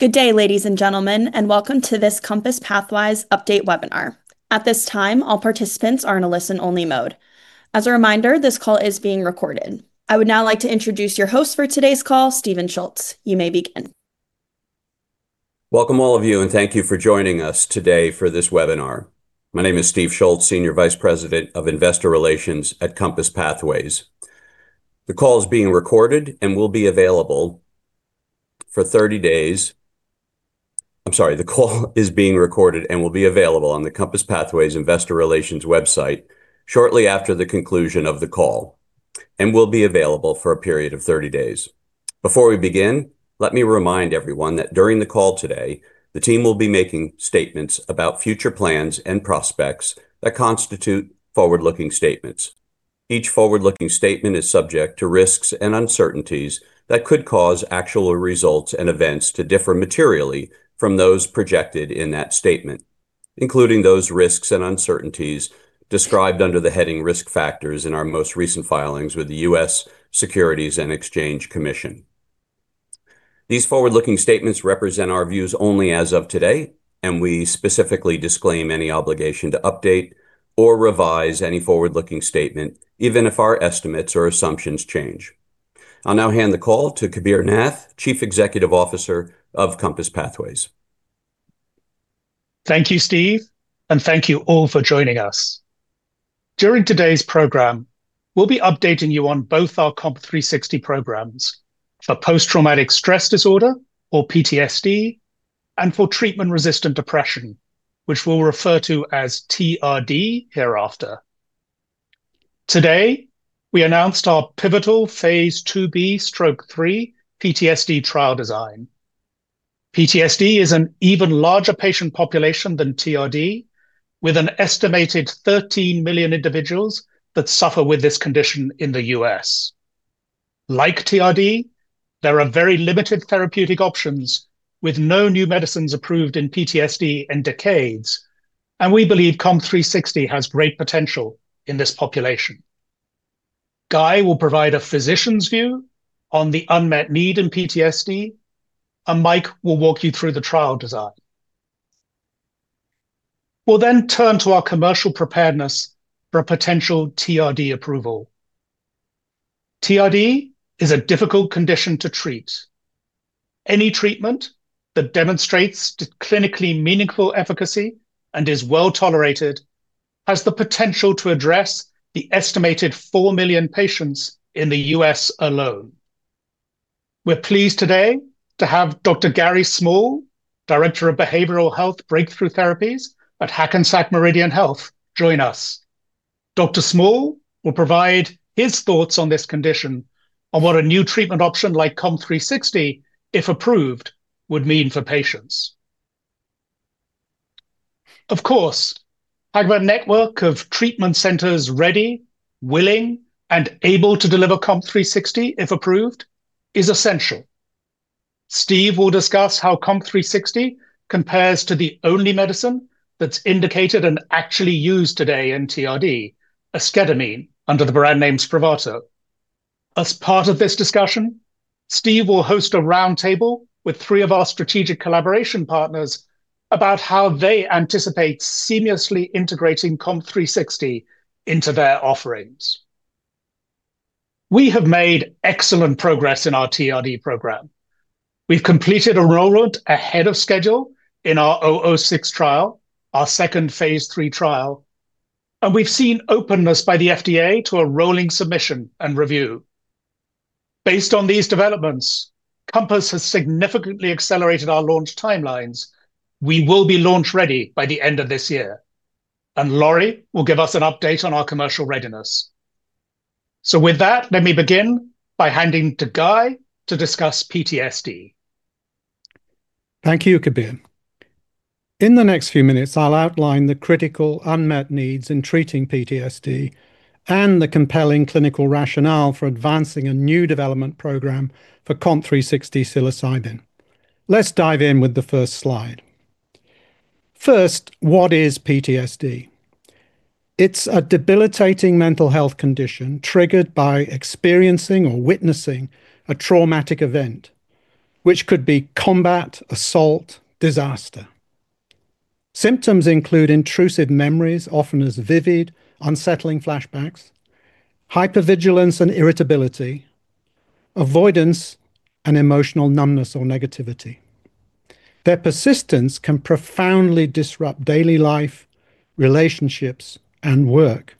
Good day, ladies and gentlemen, and welcome to this Compass Pathways Update Webinar. At this time, all participants are in a listen-only mode. As a reminder, this call is being recorded. I would now like to introduce your host for today's call, Stephen Schultz. You may begin. Welcome, all of you, and thank you for joining us today for this webinar. My name is Steve Schultz, Senior Vice President of Investor Relations at Compass Pathways. The call is being recorded and will be available for 30 days. I'm sorry, the call is being recorded and will be available on the Compass Pathways Investor Relations website shortly after the conclusion of the call, and will be available for a period of 30 days. Before we begin, let me remind everyone that during the call today, the team will be making statements about future plans and prospects that constitute forward-looking statements. Each forward-looking statement is subject to risks and uncertainties that could cause actual results and events to differ materially from those projected in that statement, including those risks and uncertainties described under the heading Risk Factors in our most recent filings with the U.S. Securities and Exchange Commission. These forward-looking statements represent our views only as of today, and we specifically disclaim any obligation to update or revise any forward-looking statement, even if our estimates or assumptions change. I'll now hand the call to Kabir Nath, Chief Executive Officer of Compass Pathways. Thank you, Steve, and thank you all for joining us. During today's program, we'll be updating you on both our COMP360 programs for Post-Traumatic Stress Disorder, or PTSD, and for Treatment-Resistant Depression, which we'll refer to as TRD hereafter. Today, we announced our pivotal phase II-B/III PTSD trial design. PTSD is an even larger patient population than TRD, with an estimated 13 million individuals that suffer with this condition in the U.S. Like TRD, there are very limited therapeutic options, with no new medicines approved in PTSD in decades, and we believe COMP360 has great potential in this population. Guy will provide a physician's view on the unmet need in PTSD, and Mike will walk you through the trial design. We'll then turn to our commercial preparedness for a potential TRD approval. TRD is a difficult condition to treat. Any treatment that demonstrates clinically meaningful efficacy and is well tolerated has the potential to address the estimated four million patients in the U.S. alone. We're pleased today to have Dr. Gary Small, Director of Behavioral Health Breakthrough Therapies at Hackensack Meridian Health, join us. Dr. Small will provide his thoughts on this condition and what a new treatment option like COMP360, if approved, would mean for patients. Of course, having a network of treatment centers ready, willing, and able to deliver COMP360, if approved, is essential. Steve will discuss how COMP360 compares to the only medicine that's indicated and actually used today in TRD, esketamine, under the brand name Spravato. As part of this discussion, Steve will host a roundtable with three of our strategic collaboration partners about how they anticipate seamlessly integrating COMP360 into their offerings. We have made excellent progress in our TRD program. We've completed enrollment ahead of schedule in our 006 trial, our second phase III trial, and we've seen openness by the FDA to a rolling submission and review. Based on these developments, Compass has significantly accelerated our launch timelines. We will be launch ready by the end of this year, and Lori will give us an update on our commercial readiness, so with that, let me begin by handing to Guy to discuss PTSD. Thank you, Kabir. In the next few minutes, I'll outline the critical unmet needs in treating PTSD and the compelling clinical rationale for advancing a new development program for COMP360 psilocybin. Let's dive in with the first slide. First, what is PTSD? It's a debilitating mental health condition triggered by experiencing or witnessing a traumatic event, which could be combat, assault, disaster. Symptoms include intrusive memories, often as vivid, unsettling flashbacks, hypervigilance and irritability, avoidance, and emotional numbness or negativity. Their persistence can profoundly disrupt daily life, relationships, and work.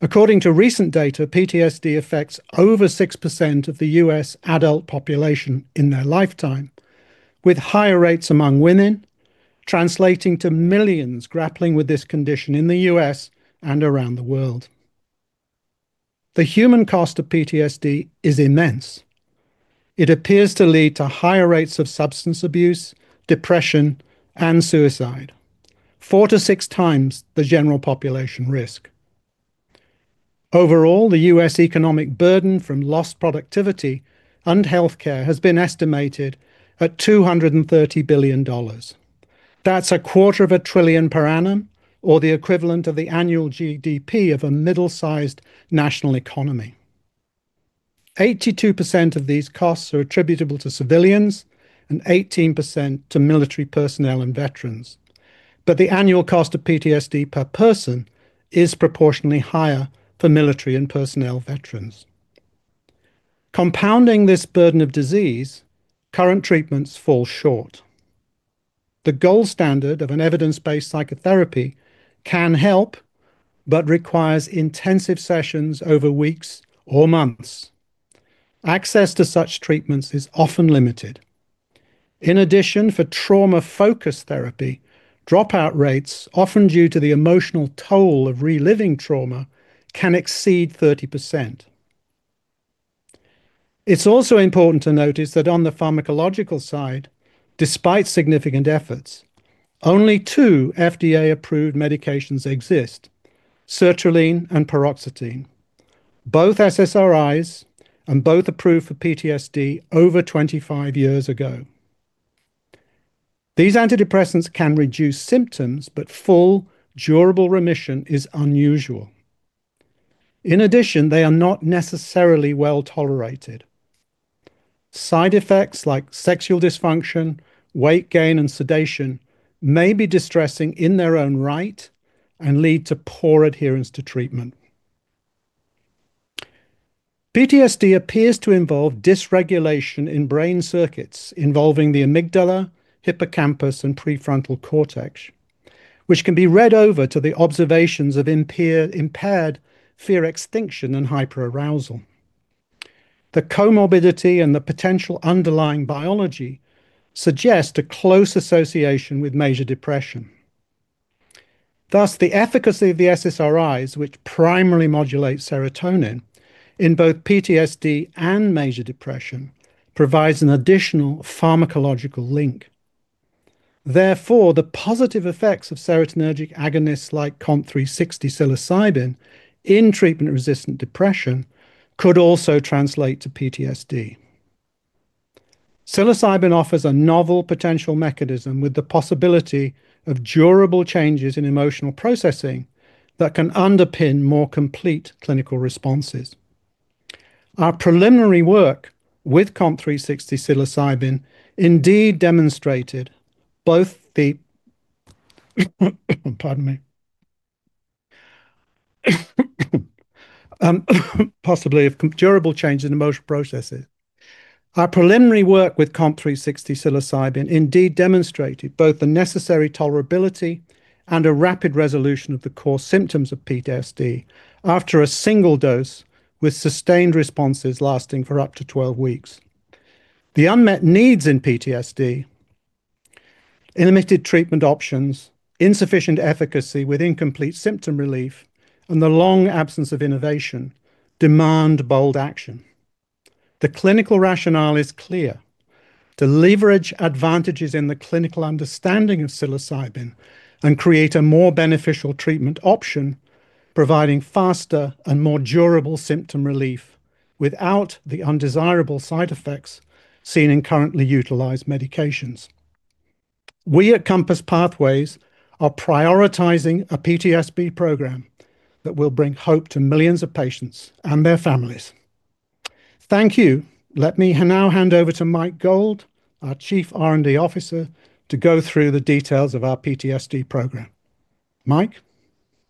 According to recent data, PTSD affects over 6% of the U.S. adult population in their lifetime, with higher rates among women, translating to millions grappling with this condition in the U.S. and around the world. The human cost of PTSD is immense. It appears to lead to higher rates of substance abuse, depression, and suicide, four to six times the general population risk. Overall, the U.S. economic burden from lost productivity and healthcare has been estimated at $230 billion. That's a quarter of a trillion per annum, or the equivalent of the annual GDP of a middle-sized national economy. 82% of these costs are attributable to civilians and 18% to military personnel and veterans, but the annual cost of PTSD per person is proportionally higher for military and personnel veterans. Compounding this burden of disease, current treatments fall short. The gold standard of an evidence-based psychotherapy can help, but requires intensive sessions over weeks or months. Access to such treatments is often limited. In addition, for trauma-focused therapy, dropout rates, often due to the emotional toll of reliving trauma, can exceed 30%. It's also important to notice that on the pharmacological side, despite significant efforts, only two FDA-approved medications exist: sertraline and paroxetine. Both SSRIs and both approved for PTSD over 25 years ago. These antidepressants can reduce symptoms, but full, durable remission is unusual. In addition, they are not necessarily well tolerated. Side effects like sexual dysfunction, weight gain, and sedation may be distressing in their own right and lead to poor adherence to treatment. PTSD appears to involve dysregulation in brain circuits involving the amygdala, hippocampus, and prefrontal cortex, which can be related to the observations of impaired fear extinction and hyperarousal. The comorbidity and the potential underlying biology suggest a close association with major depression. Thus, the efficacy of the SSRIs, which primarily modulate serotonin in both PTSD and major depression, provides an additional pharmacological link. Therefore, the positive effects of serotonergic agonists like COMP360 psilocybin in treatment-resistant depression could also translate to PTSD. Psilocybin offers a novel potential mechanism with the possibility of durable changes in emotional processing that can underpin more complete clinical responses. Our preliminary work with COMP360 psilocybin indeed demonstrated both the possibility of durable change in emotional processes and the necessary tolerability and a rapid resolution of the core symptoms of PTSD after a single dose, with sustained responses lasting for up to 12 weeks. The unmet needs in PTSD, limited treatment options, insufficient efficacy with incomplete symptom relief, and the long absence of innovation demand bold action. The clinical rationale is clear: to leverage advantages in the clinical understanding of psilocybin and create a more beneficial treatment option, providing faster and more durable symptom relief without the undesirable side effects seen in currently utilized medications. We at Compass Pathways are prioritizing a PTSD program that will bring hope to millions of patients and their families. Thank you. Let me now hand over to Mike Gold, our Chief R&D Officer, to go through the details of our PTSD program. Mike?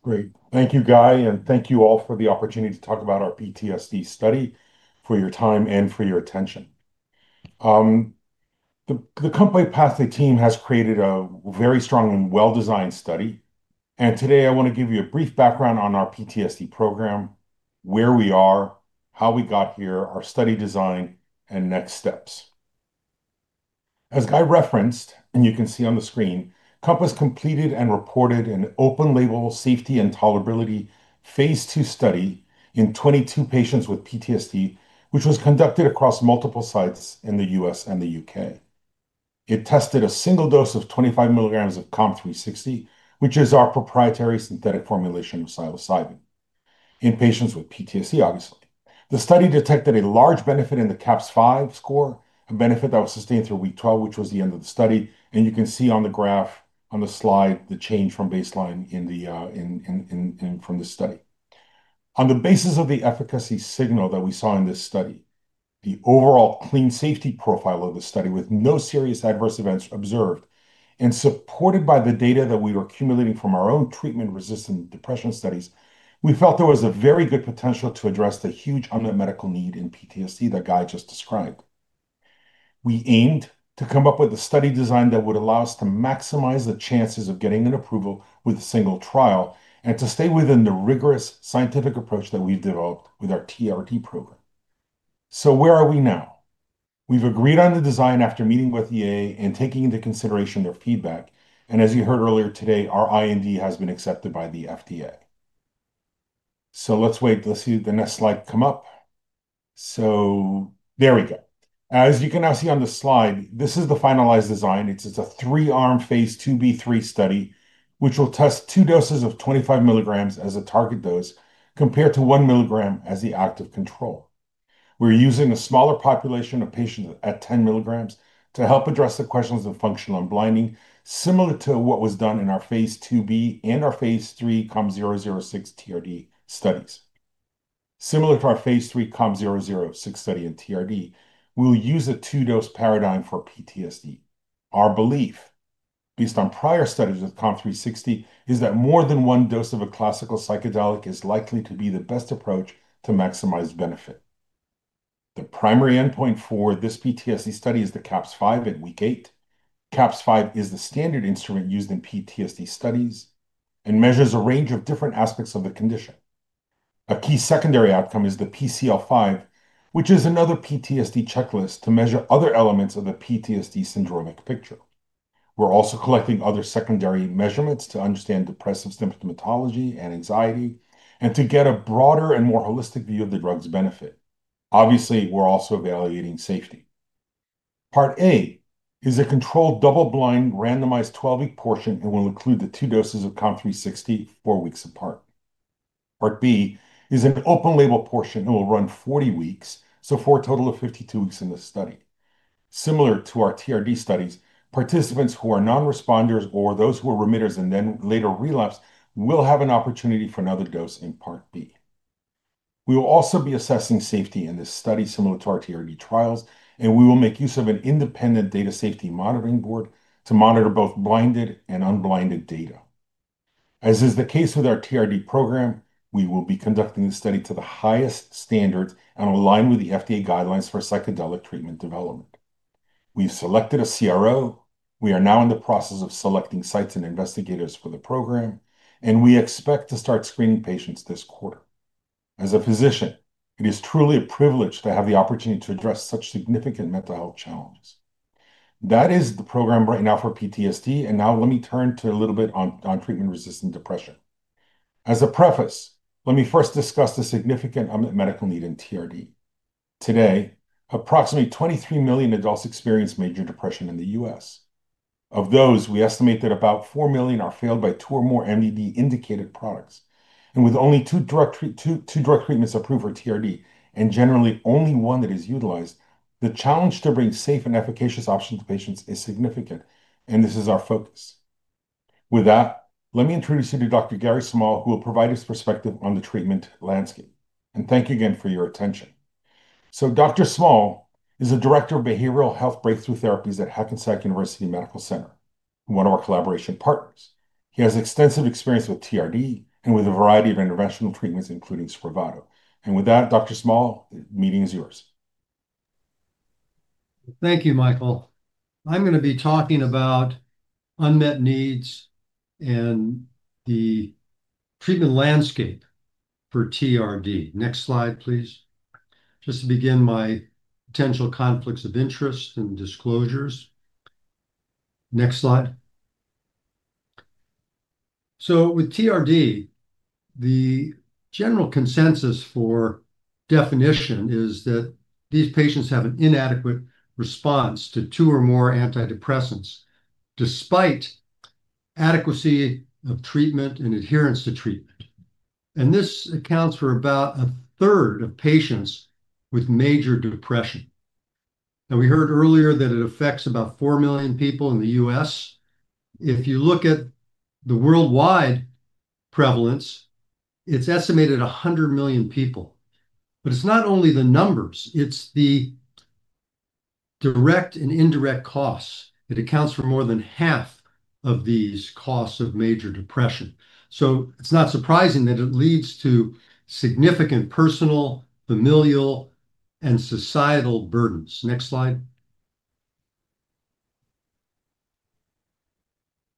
Great. Thank you, Guy, and thank you all for the opportunity to talk about our PTSD study, for your time and for your attention. The Compass Pathways team has created a very strong and well-designed study, and today I want to give you a brief background on our PTSD program, where we are, how we got here, our study design, and next steps. As Guy referenced, and you can see on the screen, Compass completed and reported an open-label safety and tolerability phase II study in 22 patients with PTSD, which was conducted across multiple sites in the U.S. and the U.K. It tested a single dose of 25 mg of COMP360, which is our proprietary synthetic formulation of psilocybin, in patients with PTSD, obviously. The study detected a large benefit in the CAPS-5 score, a benefit that was sustained through week 12, which was the end of the study, and you can see on the graph on the slide the change from baseline in the study. On the basis of the efficacy signal that we saw in this study, the overall clean safety profile of the study, with no serious adverse events observed and supported by the data that we were accumulating from our own treatment-resistant depression studies, we felt there was a very good potential to address the huge unmet medical need in PTSD that Guy just described. We aimed to come up with a study design that would allow us to maximize the chances of getting an approval with a single trial and to stay within the rigorous scientific approach that we've developed with our TRD program. So where are we now? We've agreed on the design after meeting with the FDA and taking into consideration their feedback, and as you heard earlier today, our IND has been accepted by the FDA. So let's wait. Let's see the next slide come up. So there we go. As you can now see on the slide, this is the finalized design. It's a three-arm phase II-B/III study, which will test two doses of 25 mg as a target dose compared to 1 mg as the active control. We're using a smaller population of patients at 10 mg to help address the questions of functional unblinding, similar to what was done in our phase II-B and our phase III COMP006 TRD studies. Similar to our phase III COMP006 study in TRD, we'll use a two-dose paradigm for PTSD. Our belief, based on prior studies with COMP360, is that more than one dose of a classical psychedelic is likely to be the best approach to maximize benefit. The primary endpoint for this PTSD study is the CAPS-5 at week 8. CAPS-5 is the standard instrument used in PTSD studies and measures a range of different aspects of the condition. A key secondary outcome is the PCL-5, which is another PTSD checklist to measure other elements of the PTSD syndromic picture. We're also collecting other secondary measurements to understand depressive symptomatology and anxiety and to get a broader and more holistic view of the drug's benefit. Obviously, we're also evaluating safety. Part A is a controlled double-blind randomized 12-week portion and will include the two doses of COMP360 four weeks apart. Part B is an open-label portion and will run 40 weeks, so for a total of 52 weeks in this study. Similar to our TRD studies, participants who are non-responders or those who are remitters and then later relapse will have an opportunity for another dose in Part B. We will also be assessing safety in this study, similar to our TRD trials, and we will make use of an independent data safety monitoring board to monitor both blinded and unblinded data. As is the case with our TRD program, we will be conducting the study to the highest standards and align with the FDA guidelines for psychedelic treatment development. We've selected a CRO. We are now in the process of selecting sites and investigators for the program, and we expect to start screening patients this quarter. As a physician, it is truly a privilege to have the opportunity to address such significant mental health challenges. That is the program right now for PTSD, and now let me turn to a little bit on treatment-resistant depression. As a preface, let me first discuss the significant unmet medical need in TRD. Today, approximately 23 million adults experience major depression in the U.S. Of those, we estimate that about four million are failed by two or more MDD-indicated products, and with only two direct treatments approved for TRD, and generally only one that is utilized, the challenge to bring safe and efficacious options to patients is significant, and this is our focus. With that, let me introduce you to Dr. Gary Small, who will provide his perspective on the treatment landscape. And thank you again for your attention. So Dr. Small is the Director of Behavioral Health Breakthrough Therapies at Hackensack University Medical Center, one of our collaboration partners. He has extensive experience with TRD and with a variety of interventional treatments, including Spravato, and with that, Dr. Small, the meeting is yours. Thank you, Michael. I'm going to be talking about unmet needs and the treatment landscape for TRD. Next slide, please. Just to begin my potential conflicts of interest and disclosures. Next slide. So with TRD, the general consensus for definition is that these patients have an inadequate response to two or more antidepressants despite adequacy of treatment and adherence to treatment. And this accounts for about 1/3 of patients with major depression. Now, we heard earlier that it affects about four million people in the U.S. If you look at the worldwide prevalence, it's estimated 100 million people. But it's not only the numbers. It's the direct and indirect costs. It accounts for more than half of these costs of major depression. So it's not surprising that it leads to significant personal, familial, and societal burdens. Next slide.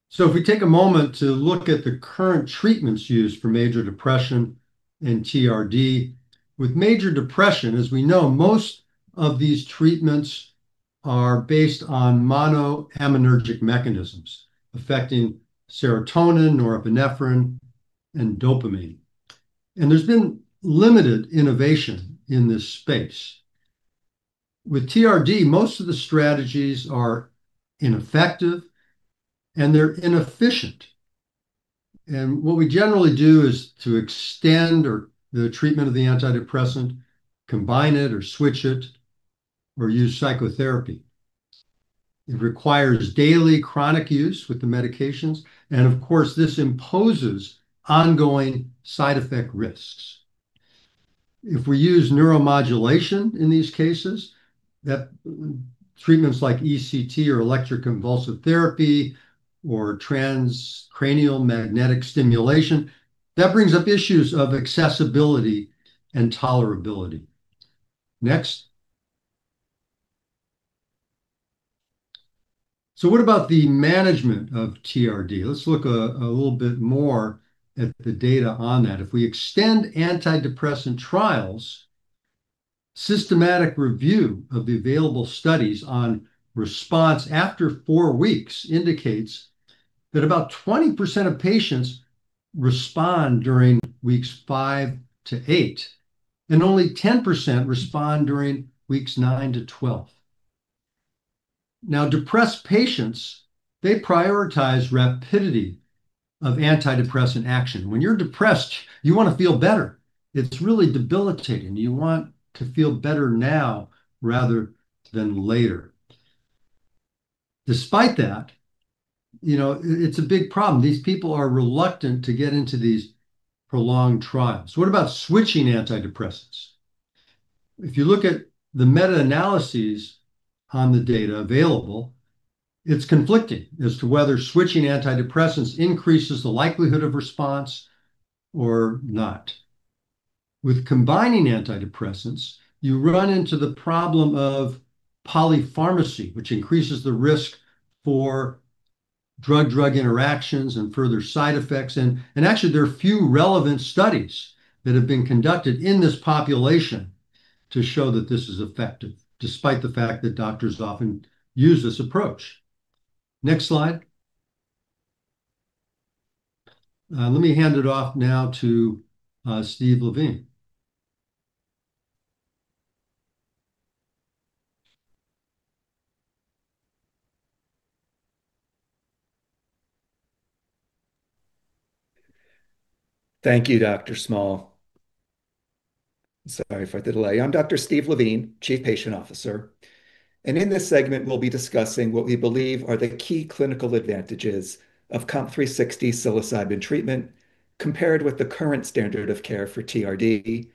So if we take a moment to look at the current treatments used for major depression and TRD, with major depression, as we know, most of these treatments are based on monoaminergic mechanisms affecting serotonin, norepinephrine, and dopamine, and there's been limited innovation in this space. With TRD, most of the strategies are ineffective, and they're inefficient, and what we generally do is to extend the treatment of the antidepressant, combine it, or switch it, or use psychotherapy. It requires daily chronic use with the medications, and of course, this imposes ongoing side effect risks. If we use neuromodulation in these cases, treatments like ECT or electroconvulsive therapy or transcranial magnetic stimulation that brings up issues of accessibility and tolerability. Next. So what about the management of TRD? Let's look a little bit more at the data on that. If we extend antidepressant trials, systematic review of the available studies on response after four weeks indicates that about 20% of patients respond during weeks 5-8, and only 10% respond during weeks 9-12. Now, depressed patients, they prioritize rapidity of antidepressant action. When you're depressed, you want to feel better. It's really debilitating. You want to feel better now rather than later. Despite that, it's a big problem. These people are reluctant to get into these prolonged trials. What about switching antidepressants? If you look at the meta-analyses on the data available, it's conflicting as to whether switching antidepressants increases the likelihood of response or not. With combining antidepressants, you run into the problem of polypharmacy, which increases the risk for drug-drug interactions and further side effects. Actually, there are few relevant studies that have been conducted in this population to show that this is effective, despite the fact that doctors often use this approach. Next slide. Let me hand it off now to Steve Levine. Thank you, Dr. Small. Sorry for the delay. I'm Dr. Steve Levine, Chief Patient Officer. In this segment, we'll be discussing what we believe are the key clinical advantages of COMP360 psilocybin treatment compared with the current standard of care for TRD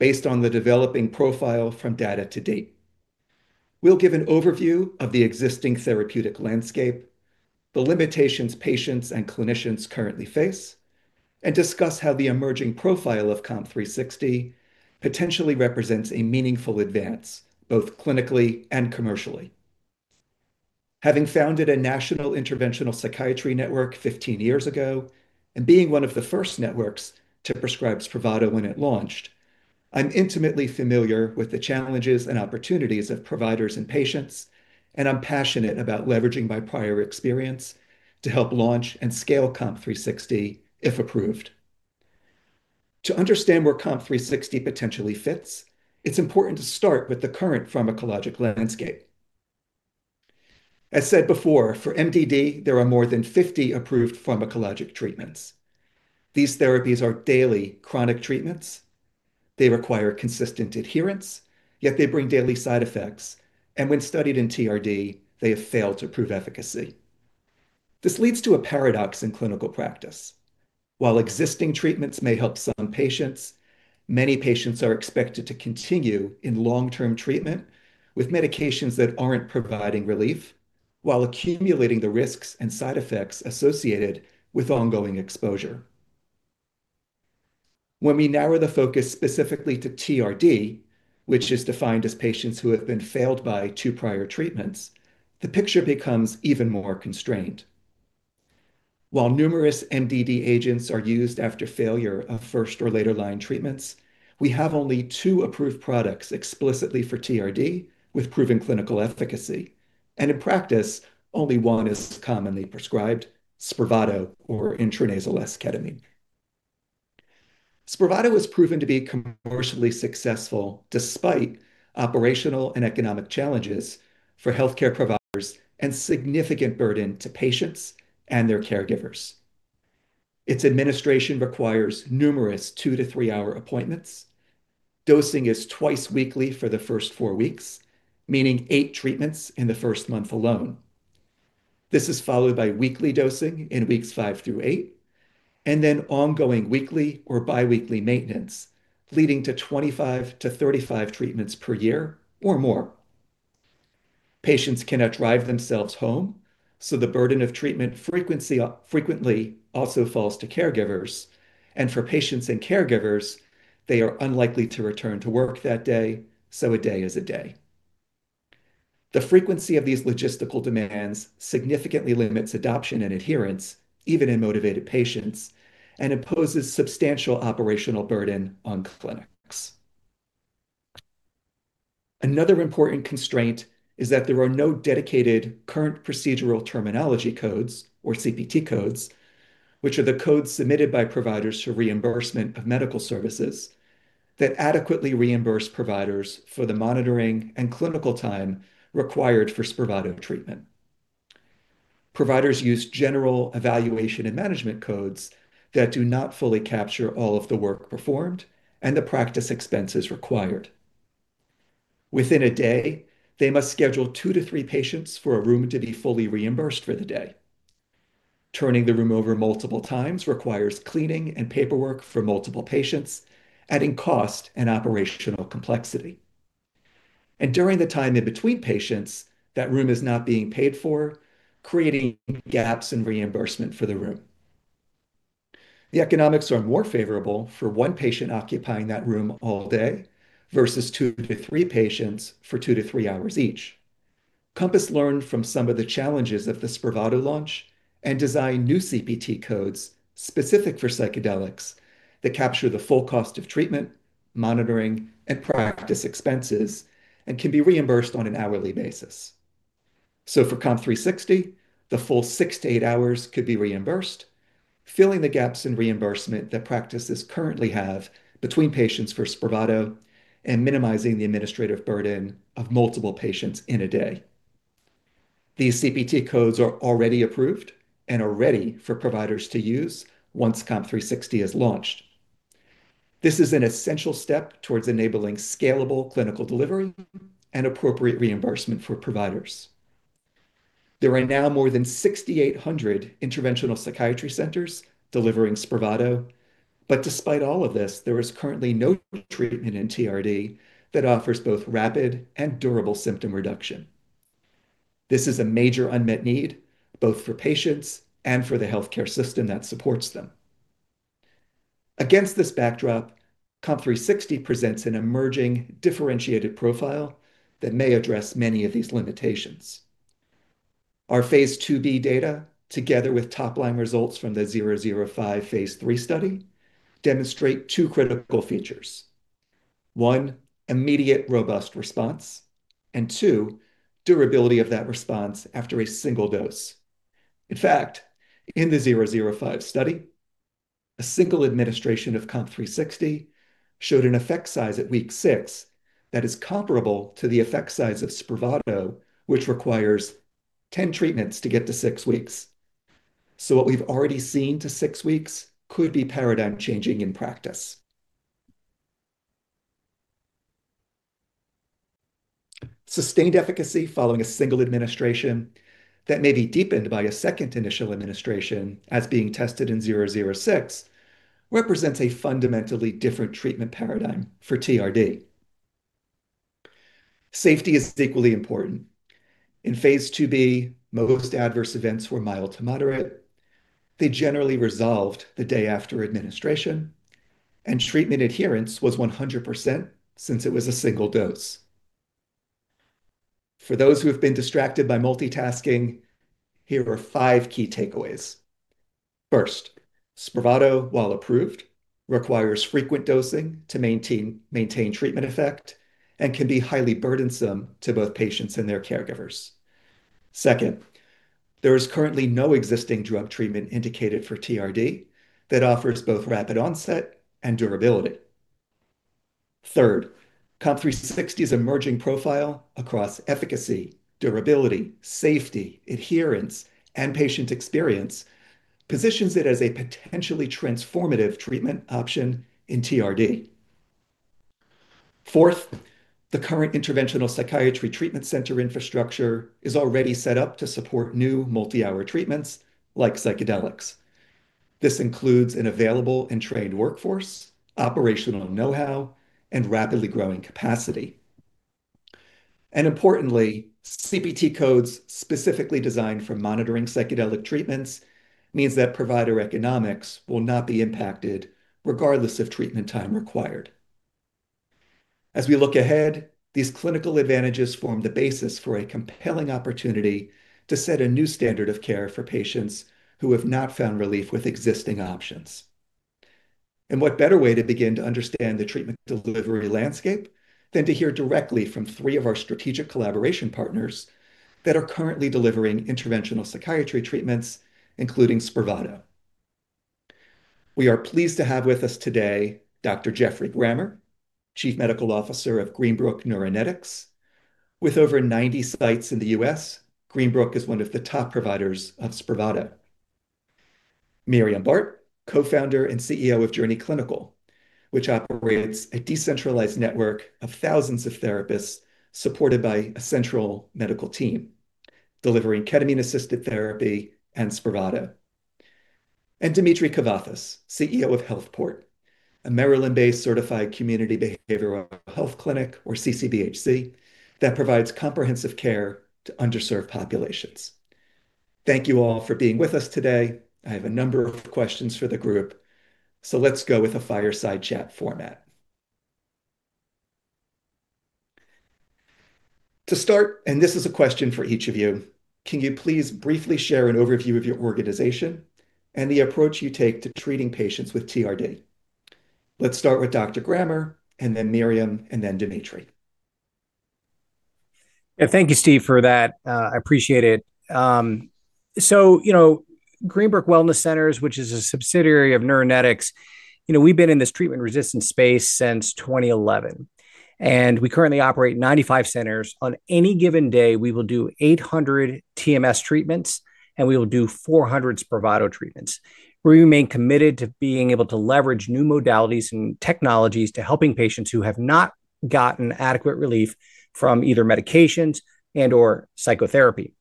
based on the developing profile from data to date. We'll give an overview of the existing therapeutic landscape, the limitations patients and clinicians currently face, and discuss how the emerging profile of COMP360 potentially represents a meaningful advance, both clinically and commercially. Having founded a National Interventional Psychiatry Network 15 years ago and being one of the first networks to prescribe Spravato when it launched, I'm intimately familiar with the challenges and opportunities of providers and patients, and I'm passionate about leveraging my prior experience to help launch and scale COMP360 if approved. To understand where COMP360 potentially fits, it's important to start with the current pharmacologic landscape. As said before, for MDD, there are more than 50 approved pharmacologic treatments. These therapies are daily chronic treatments. They require consistent adherence, yet they bring daily side effects, and when studied in TRD, they have failed to prove efficacy. This leads to a paradox in clinical practice. While existing treatments may help some patients, many patients are expected to continue in long-term treatment with medications that aren't providing relief while accumulating the risks and side effects associated with ongoing exposure. When we narrow the focus specifically to TRD, which is defined as patients who have been failed by two prior treatments, the picture becomes even more constrained. While numerous MDD agents are used after failure of first or later line treatments, we have only two approved products explicitly for TRD with proven clinical efficacy. In practice, only one is commonly prescribed: Spravato or intranasal esketamine. Spravato has proven to be commercially successful despite operational and economic challenges for healthcare providers and significant burden to patients and their caregivers. Its administration requires numerous two-to-three-hour appointments. Dosing is twice weekly for the first four weeks, meaning eight treatments in the first month alone. This is followed by weekly dosing in weeks five through eight, and then ongoing weekly or biweekly maintenance, leading to 25-35 treatments per year or more. Patients cannot drive themselves home, so the burden of treatment frequently also falls to caregivers. For patients and caregivers, they are unlikely to return to work that day, so a day is a day. The frequency of these logistical demands significantly limits adoption and adherence, even in motivated patients, and imposes substantial operational burden on clinics. Another important constraint is that there are no dedicated Current Procedural Terminology codes or CPT codes, which are the codes submitted by providers for reimbursement of medical services that adequately reimburse providers for the monitoring and clinical time required for Spravato treatment. Providers use general Evaluation and Management codes that do not fully capture all of the work performed and the practice expenses required. Within a day, they must schedule two to three patients for a room to be fully reimbursed for the day. Turning the room over multiple times requires cleaning and paperwork for multiple patients, adding cost and operational complexity. And during the time in between patients, that room is not being paid for, creating gaps in reimbursement for the room. The economics are more favorable for one patient occupying that room all day versus two to three patients for two to three hours each. Compass learned from some of the challenges of the Spravato launch and designed new CPT codes specific for psychedelics that capture the full cost of treatment, monitoring, and practice expenses, and can be reimbursed on an hourly basis, so for COMP360, the full six to eight hours could be reimbursed, filling the gaps in reimbursement that practices currently have between patients for Spravato and minimizing the administrative burden of multiple patients in a day. These CPT codes are already approved and are ready for providers to use once COMP360 is launched. This is an essential step towards enabling scalable clinical delivery and appropriate reimbursement for providers. There are now more than 6,800 interventional psychiatry centers delivering Spravato, but despite all of this, there is currently no treatment in TRD that offers both rapid and durable symptom reduction. This is a major unmet need both for patients and for the healthcare system that supports them. Against this backdrop, COMP360 presents an emerging differentiated profile that may address many of these limitations. Our phase II-B data, together with top-line results from the 005 phase III study, demonstrate two critical features. One, immediate robust response, and two, durability of that response after a single dose. In fact, in the 005 study, a single administration of COMP360 showed an effect size at week six that is comparable to the effect size of Spravato, which requires 10 treatments to get to six weeks. So what we've already seen to six weeks could be paradigm-changing in practice. Sustained efficacy following a single administration that may be deepened by a second initial administration as being tested in 006 represents a fundamentally different treatment paradigm for TRD. Safety is equally important. In phase II-B, most adverse events were mild to moderate. They generally resolved the day after administration, and treatment adherence was 100% since it was a single dose. For those who have been distracted by multitasking, here are five key takeaways. First, Spravato, while approved, requires frequent dosing to maintain treatment effect and can be highly burdensome to both patients and their caregivers. Second, there is currently no existing drug treatment indicated for TRD that offers both rapid onset and durability. Third, COMP360's emerging profile across efficacy, durability, safety, adherence, and patient experience positions it as a potentially transformative treatment option in TRD. Fourth, the current interventional psychiatry treatment center infrastructure is already set up to support new multi-hour treatments like psychedelics. This includes an available and trained workforce, operational know-how, and rapidly growing capacity. Importantly, CPT codes specifically designed for monitoring psychedelic treatments mean that provider economics will not be impacted regardless of treatment time required. As we look ahead, these clinical advantages form the basis for a compelling opportunity to set a new standard of care for patients who have not found relief with existing options. What better way to begin to understand the treatment delivery landscape than to hear directly from three of our strategic collaboration partners that are currently delivering interventional psychiatry treatments, including Spravato? We are pleased to have with us today Dr. Geoffrey Grammer, Chief Medical Officer of Greenbrook (Neuronetics). With over 90 sites in the U.S., Greenbrook is one of the top providers of Spravato. Myriam Barthes, co-founder and CEO of Journey Clinical, which operates a decentralized network of thousands of therapists supported by a central medical team, delivering ketamine-assisted therapy and Spravato. And Dimitri Cavathas, CEO of HealthPort, a Maryland-based Certified Community Behavioral Health Clinic, or CCBHC, that provides comprehensive care to underserved populations. Thank you all for being with us today. I have a number of questions for the group, so let's go with a fireside chat format. To start, and this is a question for each of you, can you please briefly share an overview of your organization and the approach you take to treating patients with TRD? Let's start with Dr. Grammer, and then Myriam, and then Dimitri. Yeah, thank you, Steve, for that. I appreciate it. So Greenbrook Wellness Centers, which is a subsidiary of Neuronetics, we've been in this treatment-resistant space since 2011. And we currently operate 95 centers. On any given day, we will do 800 TMS treatments, and we will do 400 Spravato treatments. We remain committed to being able to leverage new modalities and technologies to helping patients who have not gotten adequate relief from either medications and/or psychotherapy.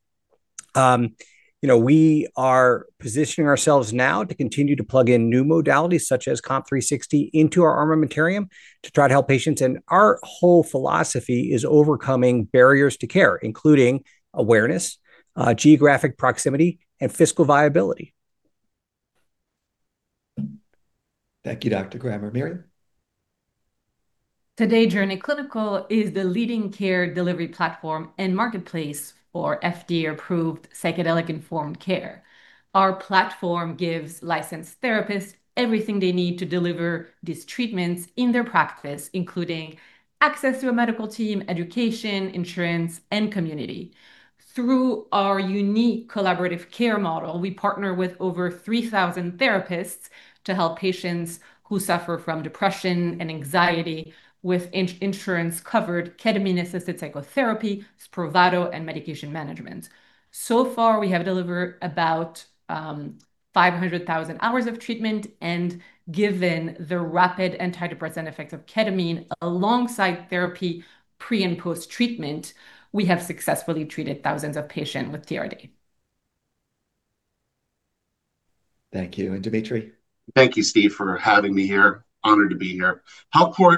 We are positioning ourselves now to continue to plug in new modalities such as COMP360 into our armamentarium to try to help patients, and our whole philosophy is overcoming barriers to care, including awareness, geographic proximity, and fiscal viability. Thank you, Dr. Grammer. Myriam? Today, Journey Clinical is the leading care delivery platform and marketplace for FDA-approved psychedelic-informed care. Our platform gives licensed therapists everything they need to deliver these treatments in their practice, including access to a medical team, education, insurance, and community. Through our unique collaborative care model, we partner with over 3,000 therapists to help patients who suffer from depression and anxiety with insurance-covered ketamine-assisted psychotherapy, Spravato, and medication management. So far, we have delivered about 500,000 hours of treatment, and given the rapid antidepressant effects of ketamine alongside therapy pre and post-treatment, we have successfully treated thousands of patients with TRD. Thank you. And Dimitri? Thank you, Steve, for having me here. Honored to be here, and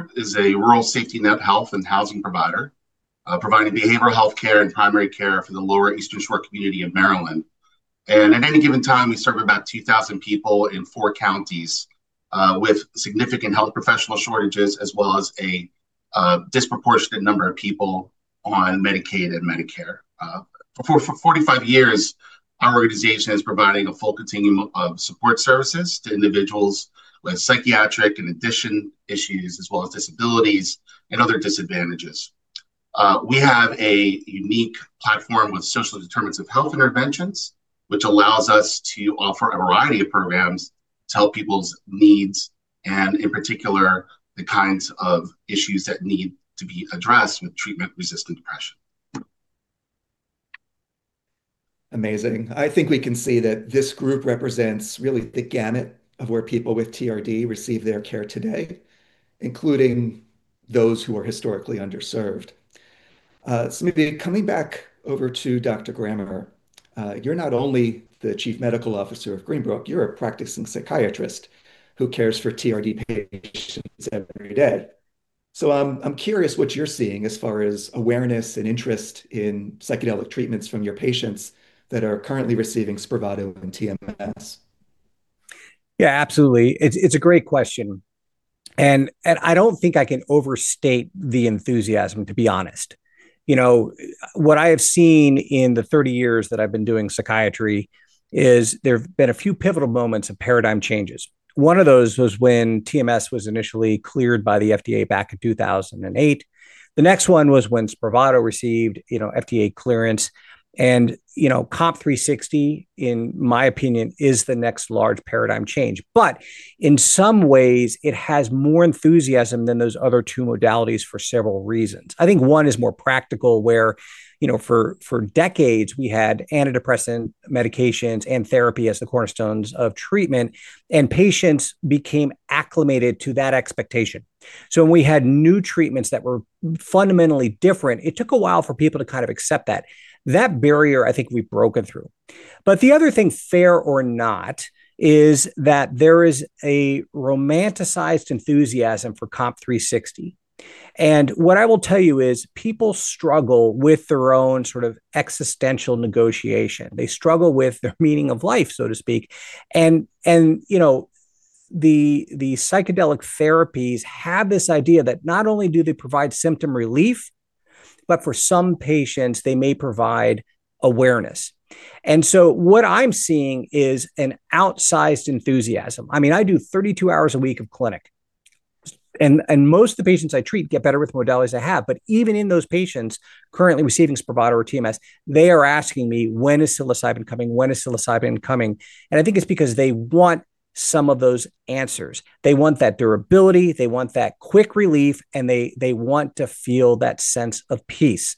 at any given time, we serve about 2,000 people in four counties with significant health professional shortages, as well as a disproportionate number of people on Medicaid and Medicare. For 45 years, our organization is providing a full continuum of support services to individuals with psychiatric and addiction issues, as well as disabilities and other disadvantages. We have a unique platform with social determinants of health interventions, which allows us to offer a variety of programs to help people's needs and, in particular, the kinds of issues that need to be addressed with treatment-resistant depression. Amazing. I think we can see that this group represents really the gamut of where people with TRD receive their care today, including those who are historically underserved. So maybe coming back over to Dr. Grammer, you're not only the Chief Medical Officer of Greenbrook, you're a practicing psychiatrist who cares for TRD patients every day. So I'm curious what you're seeing as far as awareness and interest in psychedelic treatments from your patients that are currently receiving Spravato and TMS? Yeah, absolutely. It's a great question, and I don't think I can overstate the enthusiasm, to be honest. What I have seen in the 30 years that I've been doing psychiatry is there have been a few pivotal moments of paradigm changes. One of those was when TMS was initially cleared by the FDA back in 2008. The next one was when Spravato received FDA clearance, and COMP360, in my opinion, is the next large paradigm change, but in some ways, it has more enthusiasm than those other two modalities for several reasons. I think one is more practical, where for decades, we had antidepressant medications and therapy as the cornerstones of treatment, and patients became acclimated to that expectation, so when we had new treatments that were fundamentally different, it took a while for people to kind of accept that. That barrier, I think, we've broken through. But the other thing, fair or not, is that there is a romanticized enthusiasm for COMP360. And what I will tell you is people struggle with their own sort of existential negotiation. They struggle with their meaning of life, so to speak. And the psychedelic therapies have this idea that not only do they provide symptom relief, but for some patients, they may provide awareness. And so what I'm seeing is an outsized enthusiasm. I mean, I do 32 hours a week of clinic. And most of the patients I treat get better with the modalities I have. But even in those patients currently receiving Spravato or TMS, they are asking me, "When is psilocybin coming? When is psilocybin coming?" And I think it's because they want some of those answers. They want that durability. They want that quick relief, and they want to feel that sense of peace.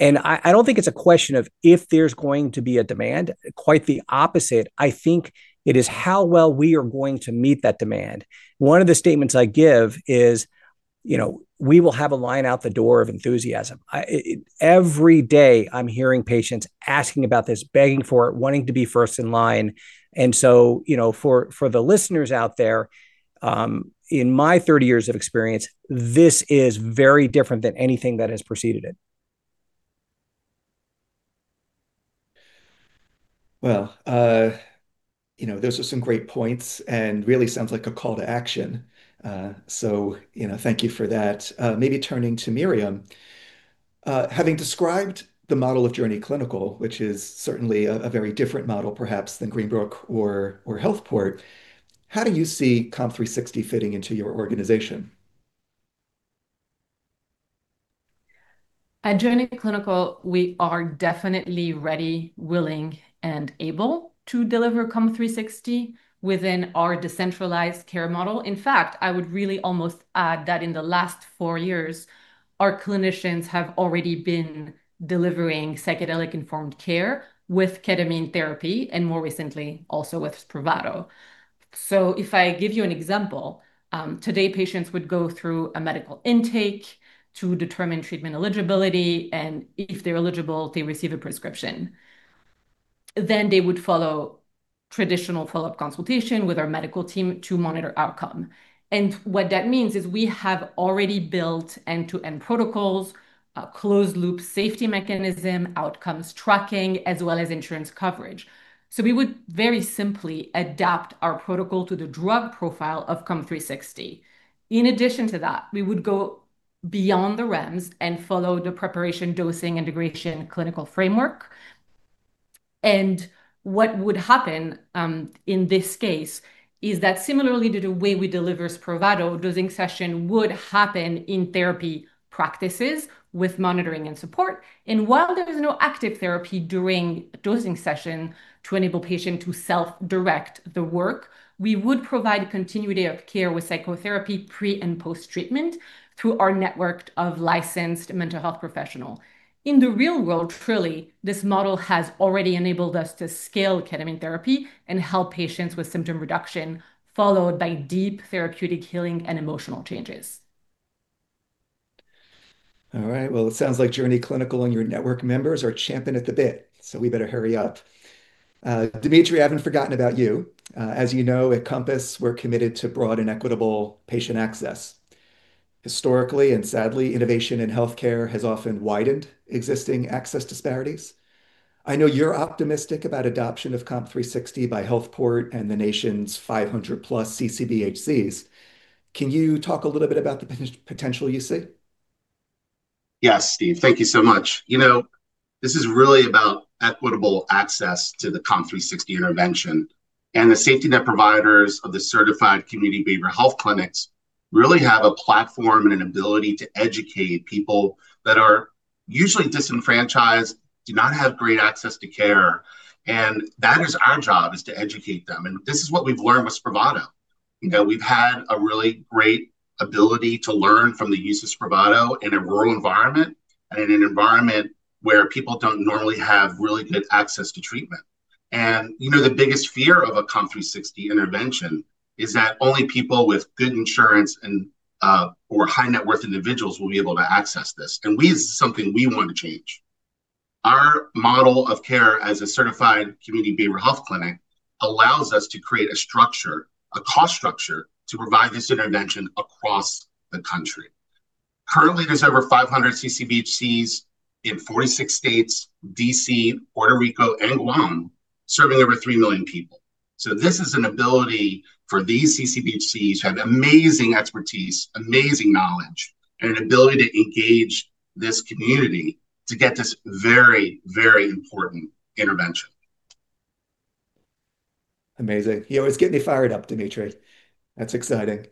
And I don't think it's a question of if there's going to be a demand. Quite the opposite. I think it is how well we are going to meet that demand. One of the statements I give is, "We will have a line out the door of enthusiasm." Every day, I'm hearing patients asking about this, begging for it, wanting to be first in line. And so for the listeners out there, in my 30 years of experience, this is very different than anything that has preceded it. Those are some great points and really sound like a call to action. Thank you for that. Maybe turning to Myriam. Having described the model of Journey Clinical, which is certainly a very different model, perhaps, than Greenbrook or HealthPort, how do you see COMP360 fitting into your organization? At Journey Clinical, we are definitely ready, willing, and able to deliver COMP360 within our decentralized care model. In fact, I would really almost add that in the last four years, our clinicians have already been delivering psychedelic-informed care with ketamine therapy and, more recently, also with Spravato. So if I give you an example, today, patients would go through a medical intake to determine treatment eligibility, and if they're eligible, they receive a prescription. Then they would follow traditional follow-up consultation with our medical team to monitor outcome. And what that means is we have already built end-to-end protocols, a closed-loop safety mechanism, outcomes tracking, as well as insurance coverage. So we would very simply adapt our protocol to the drug profile of COMP360. In addition to that, we would go beyond the realms and follow the preparation, dosing, and integration clinical framework. What would happen in this case is that, similarly to the way we deliver Spravato, dosing session would happen in therapy practices with monitoring and support. While there is no active therapy during dosing session to enable patients to self-direct the work, we would provide continuity of care with psychotherapy pre and post-treatment through our network of licensed mental health professionals. In the real world, truly, this model has already enabled us to scale ketamine therapy and help patients with symptom reduction, followed by deep therapeutic healing and emotional changes. All right. Well, it sounds like Journey Clinical and your network members are champing at the bit, so we better hurry up. Dimitri, I haven't forgotten about you. As you know, at Compass, we're committed to broad and equitable patient access. Historically and sadly, innovation in healthcare has often widened existing access disparities. I know you're optimistic about adoption of COMP360 by HealthPort and the nation's 500+ CCBHCs. Can you talk a little bit about the potential you see? Yes, Steve. Thank you so much. This is really about equitable access to the COMP360 intervention, and the safety net providers of the Certified Community Behavioral Health Clinics really have a platform and an ability to educate people that are usually disenfranchised, do not have great access to care. That is our job, is to educate them. This is what we've learned with Spravato. We've had a really great ability to learn from the use of Spravato in a rural environment and in an environment where people don't normally have really good access to treatment. The biggest fear of a COMP360 intervention is that only people with good insurance or high-net-worth individuals will be able to access this. That is something we want to change. Our model of care as a Certified Community Behavioral Health Clinic allows us to create a structure, a cost structure, to provide this intervention across the country. Currently, there's over 500 CCBHCs in 46 states, D.C., Puerto Rico, and Guam, serving over three million people, so this is an ability for these CCBHCs to have amazing expertise, amazing knowledge, and an ability to engage this community to get this very, very important intervention. Amazing. You always get me fired up, Dimitri. That's exciting.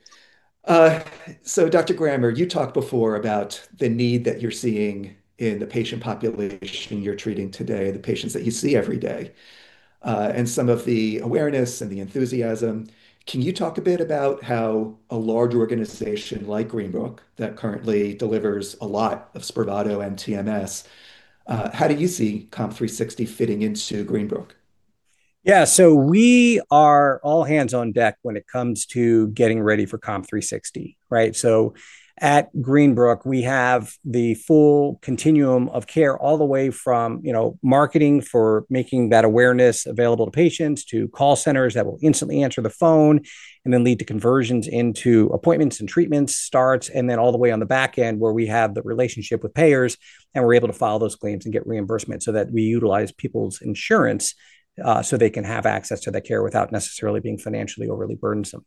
So Dr. Grammer, you talked before about the need that you're seeing in the patient population you're treating today, the patients that you see every day, and some of the awareness and the enthusiasm. Can you talk a bit about how a large organization like Greenbrook that currently delivers a lot of Spravato and TMS, how do you see COMP360 fitting into Greenbrook? Yeah. So we are all hands on deck when it comes to getting ready for COMP360. So at Greenbrook, we have the full continuum of care all the way from marketing for making that awareness available to patients to call centers that will instantly answer the phone and then lead to conversions into appointments and treatment starts, and then all the way on the back end where we have the relationship with payers, and we're able to file those claims and get reimbursement so that we utilize people's insurance so they can have access to that care without necessarily being financially overly burdensome.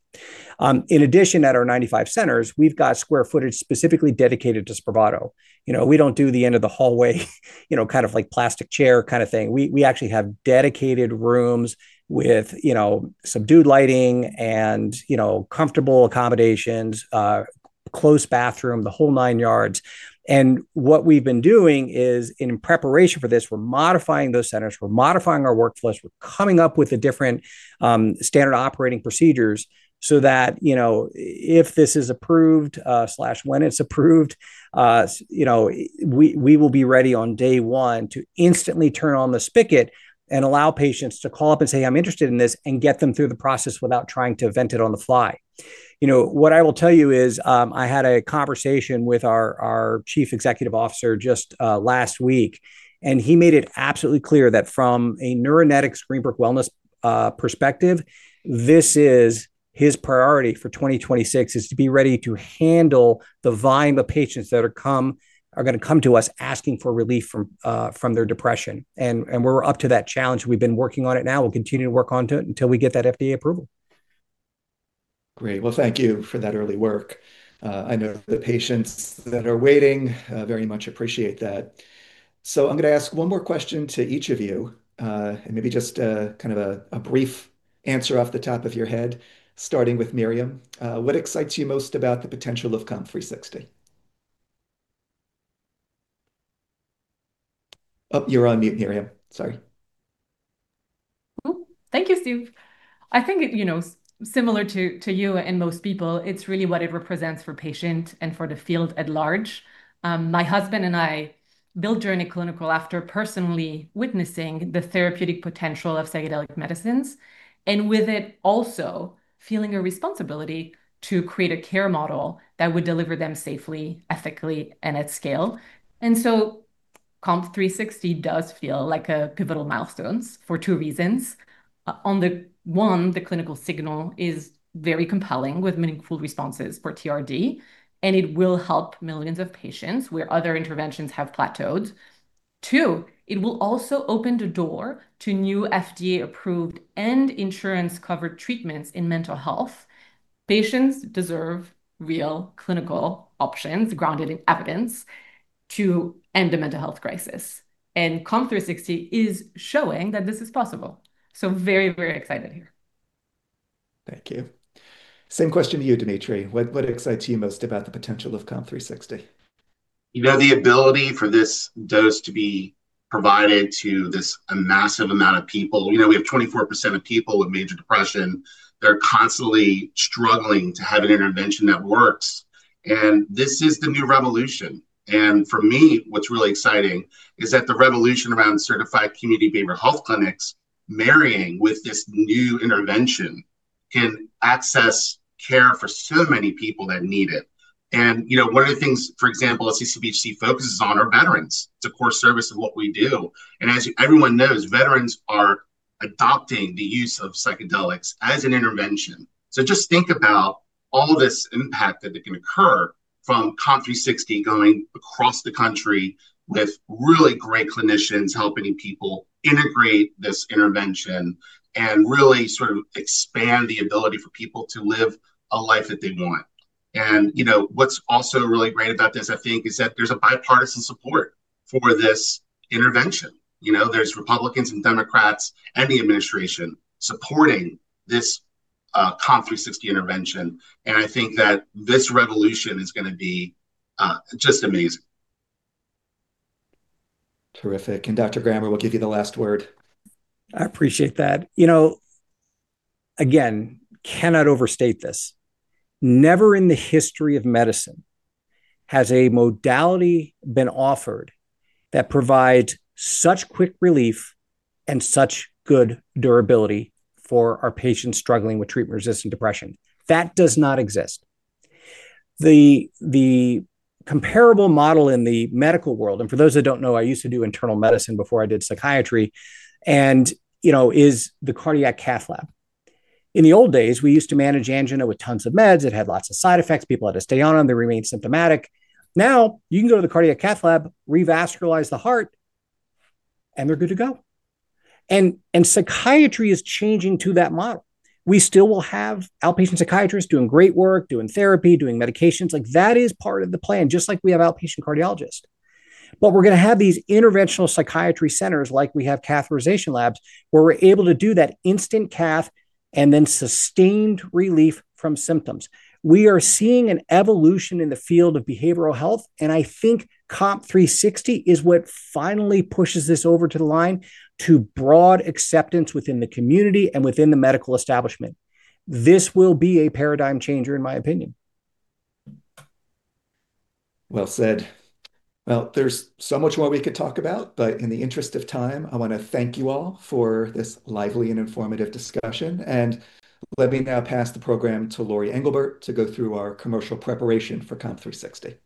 In addition, at our 95 centers, we've got square footage specifically dedicated to Spravato. We don't do the end-of-the-hallway kind of like plastic chair kind of thing. We actually have dedicated rooms with subdued lighting and comfortable accommodations, close bathroom, the whole nine yards. What we've been doing is, in preparation for this, we're modifying those centers. We're modifying our workflows. We're coming up with the different standard operating procedures so that if this is approved or when it's approved, we will be ready on day one to instantly turn on the spigot and allow patients to call up and say, "I'm interested in this," and get them through the process without trying to invent it on the fly. What I will tell you is I had a conversation with our Chief Executive Officer just last week, and he made it absolutely clear that from a Neuronetics Greenbrook Wellness perspective, this is his priority for 2026, is to be ready to handle the volume of patients that are going to come to us asking for relief from their depression. And we're up to that challenge. We've been working on it now. We'll continue to work on it until we get that FDA approval. Great. Well, thank you for that early work. I know the patients that are waiting very much appreciate that. So I'm going to ask one more question to each of you, and maybe just kind of a brief answer off the top of your head, starting with Myriam. What excites you most about the potential of COMP360? Oh, you're on mute, Myriam. Sorry. Thank you, Steve. I think similar to you and most people, it's really what it represents for patients and for the field at large. My husband and I built Journey Clinical after personally witnessing the therapeutic potential of psychedelic medicines and with it also feeling a responsibility to create a care model that would deliver them safely, ethically, and at scale. And so COMP360 does feel like a pivotal milestone for two reasons. On the one, the clinical signal is very compelling with meaningful responses for TRD, and it will help millions of patients where other interventions have plateaued. Two, it will also open the door to new FDA-approved and insurance-covered treatments in mental health. Patients deserve real clinical options grounded in evidence to end the mental health crisis. And COMP360 is showing that this is possible. So very, very excited here. Thank you. Same question to you, Dimitri. What excites you most about the potential of COMP360? The ability for this dose to be provided to this massive amount of people. We have 24% of people with major depression that are constantly struggling to have an intervention that works. And this is the new revolution. And for me, what's really exciting is that the revolution around Certified Community Behavioral Health Clinics marrying with this new intervention can access care for so many people that need it. And one of the things, for example, CCBHC focuses on are veterans. It's a core service of what we do. And as everyone knows, veterans are adopting the use of psychedelics as an intervention. So just think about all this impact that can occur from COMP360 going across the country with really great clinicians helping people integrate this intervention and really sort of expand the ability for people to live a life that they want. What's also really great about this, I think, is that there's bipartisan support for this intervention. There's Republicans and Democrats and the administration supporting this COMP360 intervention. I think that this revolution is going to be just amazing. Terrific. And Dr. Grammer, we'll give you the last word. I appreciate that. Again, cannot overstate this. Never in the history of medicine has a modality been offered that provides such quick relief and such good durability for our patients struggling with treatment-resistant depression. That does not exist. The comparable model in the medical world, and for those that don't know, I used to do internal medicine before I did psychiatry, is the cardiac cath lab. In the old days, we used to manage angina with tons of meds. It had lots of side effects. People had to stay on them. They remained symptomatic. Now, you can go to the cardiac cath lab, revascularize the heart, and they're good to go. And psychiatry is changing to that model. We still will have outpatient psychiatrists doing great work, doing therapy, doing medications. That is part of the plan, just like we have outpatient cardiologists. But we're going to have these interventional psychiatry centers like we have catheterization labs where we're able to do that instant cath and then sustained relief from symptoms. We are seeing an evolution in the field of behavioral health, and I think COMP360 is what finally pushes this over to the line to broad acceptance within the community and within the medical establishment. This will be a paradigm changer, in my opinion. Well said. There's so much more we could talk about, but in the interest of time, I want to thank you all for this lively and informative discussion. Let me now pass the program to Lori Englebert to go through our commercial preparation for COMP360.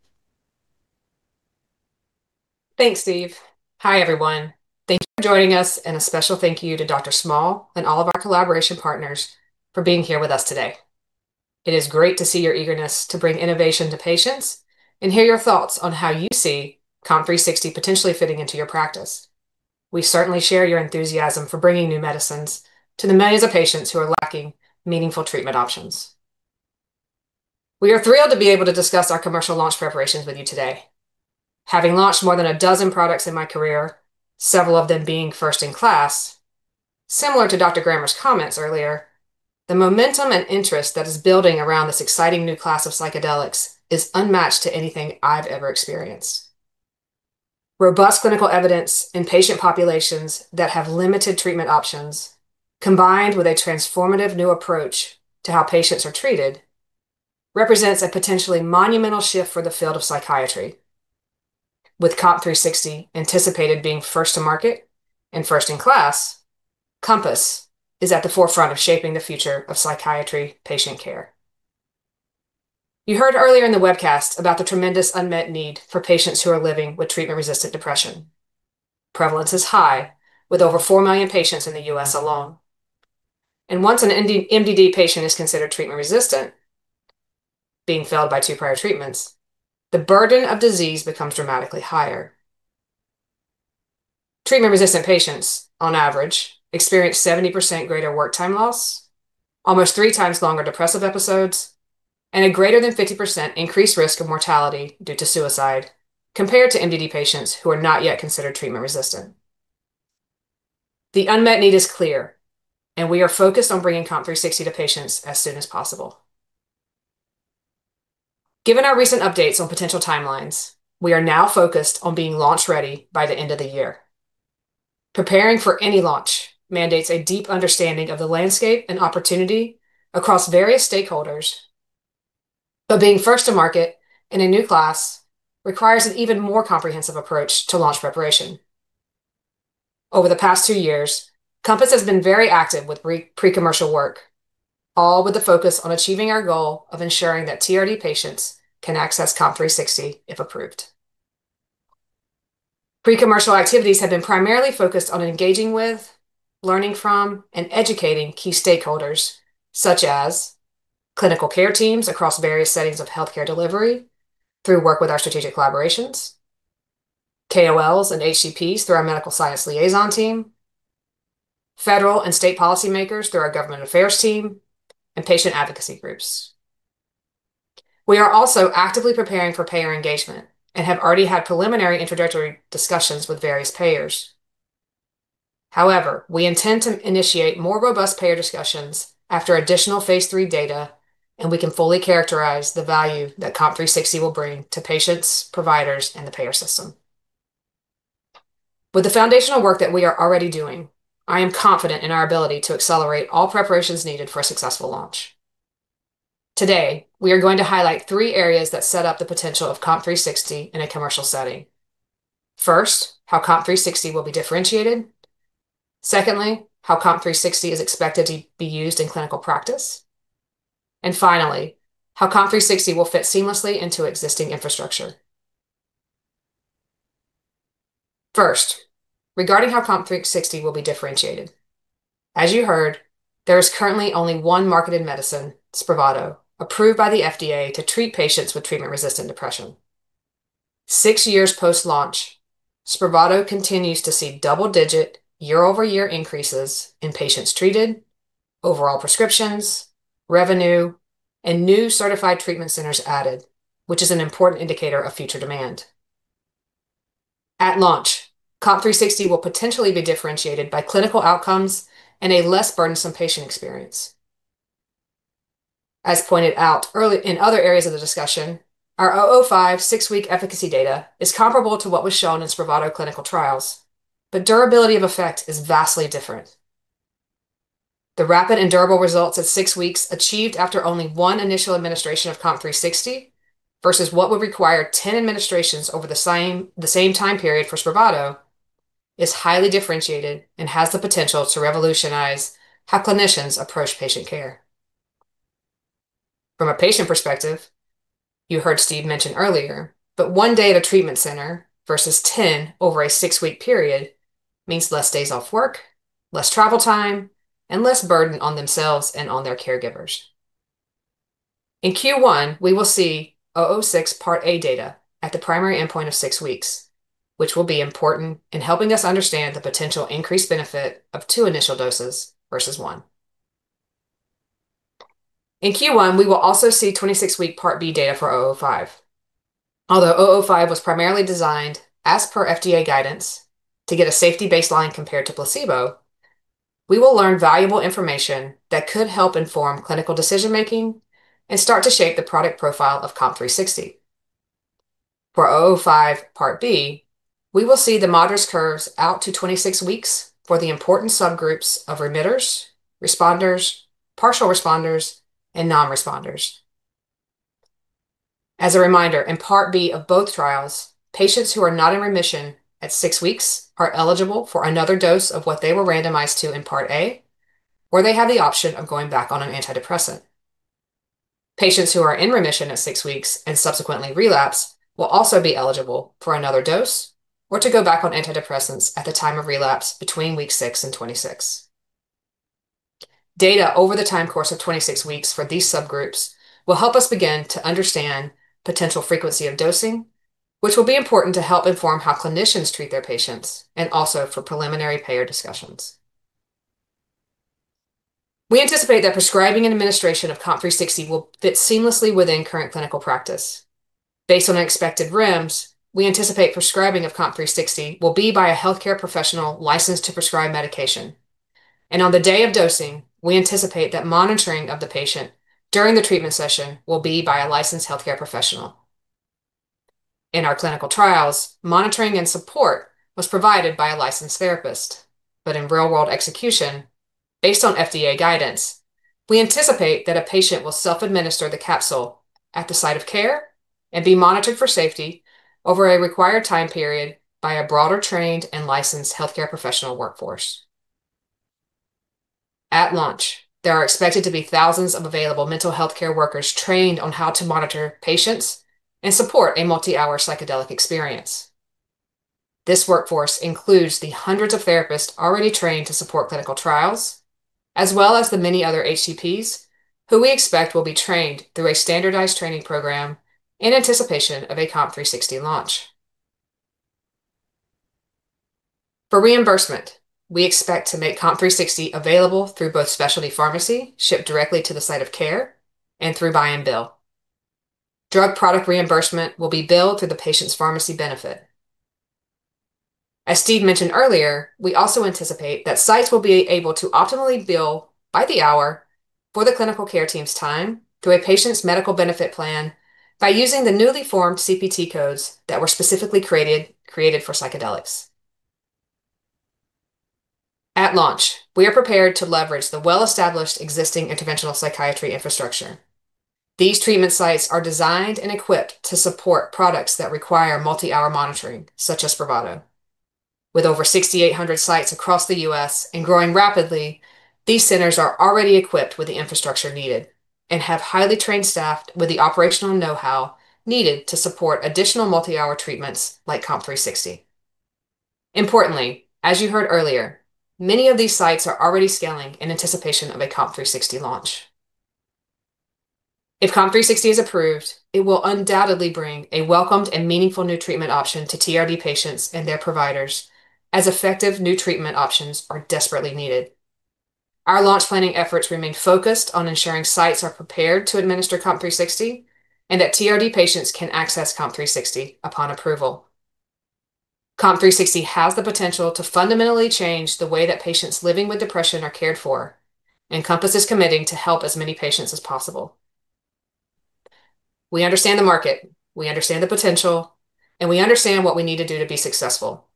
Thanks, Steve. Hi, everyone. Thank you for joining us, and a special thank you to Dr. Small and all of our collaboration partners for being here with us today. It is great to see your eagerness to bring innovation to patients and hear your thoughts on how you see COMP360 potentially fitting into your practice. We certainly share your enthusiasm for bringing new medicines to the millions of patients who are lacking meaningful treatment options. We are thrilled to be able to discuss our commercial launch preparations with you today. Having launched more than a dozen products in my career, several of them being first-in-class, similar to Dr. Grammer's comments earlier, the momentum and interest that is building around this exciting new class of psychedelics is unmatched to anything I've ever experienced. Robust clinical evidence in patient populations that have limited treatment options, combined with a transformative new approach to how patients are treated, represents a potentially monumental shift for the field of psychiatry. With COMP360 anticipated being first to market and first in class, Compass is at the forefront of shaping the future of psychiatry patient care. You heard earlier in the webcast about the tremendous unmet need for patients who are living with treatment-resistant depression. Prevalence is high, with over four million patients in the U.S. alone. And once an MDD patient is considered treatment-resistant, being failed by two prior treatments, the burden of disease becomes dramatically higher. Treatment-resistant patients, on average, experience 70% greater work-time loss, almost three times longer depressive episodes, and a greater than 50% increased risk of mortality due to suicide compared to MDD patients who are not yet considered treatment-resistant. The unmet need is clear, and we are focused on bringing COMP360 to patients as soon as possible. Given our recent updates on potential timelines, we are now focused on being launch-ready by the end of the year. Preparing for any launch mandates a deep understanding of the landscape and opportunity across various stakeholders, but being first to market in a new class requires an even more comprehensive approach to launch preparation. Over the past two years, Compass has been very active with pre-commercial work, all with the focus on achieving our goal of ensuring that TRD patients can access COMP360 if approved. Pre-commercial activities have been primarily focused on engaging with, learning from, and educating key stakeholders, such as clinical care teams across various settings of healthcare delivery through work with our strategic collaborations, KOLs and HCPs through our medical science liaison team, federal and state policymakers through our government affairs team, and patient advocacy groups. We are also actively preparing for payer engagement and have already had preliminary introductory discussions with various payers. However, we intend to initiate more robust payer discussions after additional phase III data, and we can fully characterize the value that COMP360 will bring to patients, providers, and the payer system. With the foundational work that we are already doing, I am confident in our ability to accelerate all preparations needed for a successful launch. Today, we are going to highlight three areas that set up the potential of COMP360 in a commercial setting. First, how COMP360 will be differentiated. Secondly, how COMP360 is expected to be used in clinical practice. And finally, how COMP360 will fit seamlessly into existing infrastructure. First, regarding how COMP360 will be differentiated. As you heard, there is currently only one marketed medicine, Spravato, approved by the FDA to treat patients with treatment-resistant depression. Six years post-launch, Spravato continues to see double-digit year-over-year increases in patients treated, overall prescriptions, revenue, and new certified treatment centers added, which is an important indicator of future demand. At launch, COMP360 will potentially be differentiated by clinical outcomes and a less burdensome patient experience. As pointed out in other areas of the discussion, our 005 six-week efficacy data is comparable to what was shown in Spravato clinical trials, but durability of effect is vastly different. The rapid and durable results at six weeks achieved after only one initial administration of COMP360 versus what would require 10 administrations over the same time period for Spravato is highly differentiated and has the potential to revolutionize how clinicians approach patient care. From a patient perspective, you heard Steve mention earlier, but one day at a treatment center versus 10 over a six-week period means less days off work, less travel time, and less burden on themselves and on their caregivers. In Q1, we will see 006 Part A data at the primary endpoint of six weeks, which will be important in helping us understand the potential increased benefit of two initial doses versus one. In Q1, we will also see 26-week Part B data for 005. Although 005 was primarily designed, as per FDA guidance, to get a safety baseline compared to placebo, we will learn valuable information that could help inform clinical decision-making and start to shape the product profile of COMP360. For 005 Part B, we will see the MADRS curves out to 26 weeks for the important subgroups of remitters, responders, partial responders, and non-responders. As a reminder, in Part B of both trials, patients who are not in remission at six weeks are eligible for another dose of what they were randomized to in Part A, or they have the option of going back on an antidepressant. Patients who are in remission at six weeks and subsequently relapse will also be eligible for another dose or to go back on antidepressants at the time of relapse between week six and 26. Data over the time course of 26 weeks for these subgroups will help us begin to understand potential frequency of dosing, which will be important to help inform how clinicians treat their patients and also for preliminary payer discussions. We anticipate that prescribing and administration of COMP360 will fit seamlessly within current clinical practice. Based on expected REMS, we anticipate prescribing of COMP360 will be by a healthcare professional licensed to prescribe medication. And on the day of dosing, we anticipate that monitoring of the patient during the treatment session will be by a licensed healthcare professional. In our clinical trials, monitoring and support was provided by a licensed therapist. But in real-world execution, based on FDA guidance, we anticipate that a patient will self-administer the capsule at the site of care and be monitored for safety over a required time period by a broader trained and licensed healthcare professional workforce. At launch, there are expected to be thousands of available mental healthcare workers trained on how to monitor patients and support a multi-hour psychedelic experience. This workforce includes the hundreds of therapists already trained to support clinical trials, as well as the many other HCPs who we expect will be trained through a standardized training program in anticipation of a COMP360 launch. For reimbursement, we expect to make COMP360 available through both specialty pharmacy, shipped directly to the site of care, and through buy-and-bill. Drug product reimbursement will be billed to the patient's pharmacy benefit. As Steve mentioned earlier, we also anticipate that sites will be able to optimally bill by the hour for the clinical care team's time through a patient's medical benefit plan by using the newly formed CPT codes that were specifically created for psychedelics. At launch, we are prepared to leverage the well-established existing interventional psychiatry infrastructure. These treatment sites are designed and equipped to support products that require multi-hour monitoring, such as Spravato. With over 6,800 sites across the U.S. and growing rapidly, these centers are already equipped with the infrastructure needed and have highly trained staff with the operational know-how needed to support additional multi-hour treatments like COMP360. Importantly, as you heard earlier, many of these sites are already scaling in anticipation of a COMP360 launch. If COMP360 is approved, it will undoubtedly bring a welcomed and meaningful new treatment option to TRD patients and their providers, as effective new treatment options are desperately needed. Our launch planning efforts remain focused on ensuring sites are prepared to administer COMP360 and that TRD patients can access COMP360 upon approval. COMP360 has the potential to fundamentally change the way that patients living with depression are cared for and Compass is committing to help as many patients as possible. We understand the market, we understand the potential, and we understand what we need to do to be successful.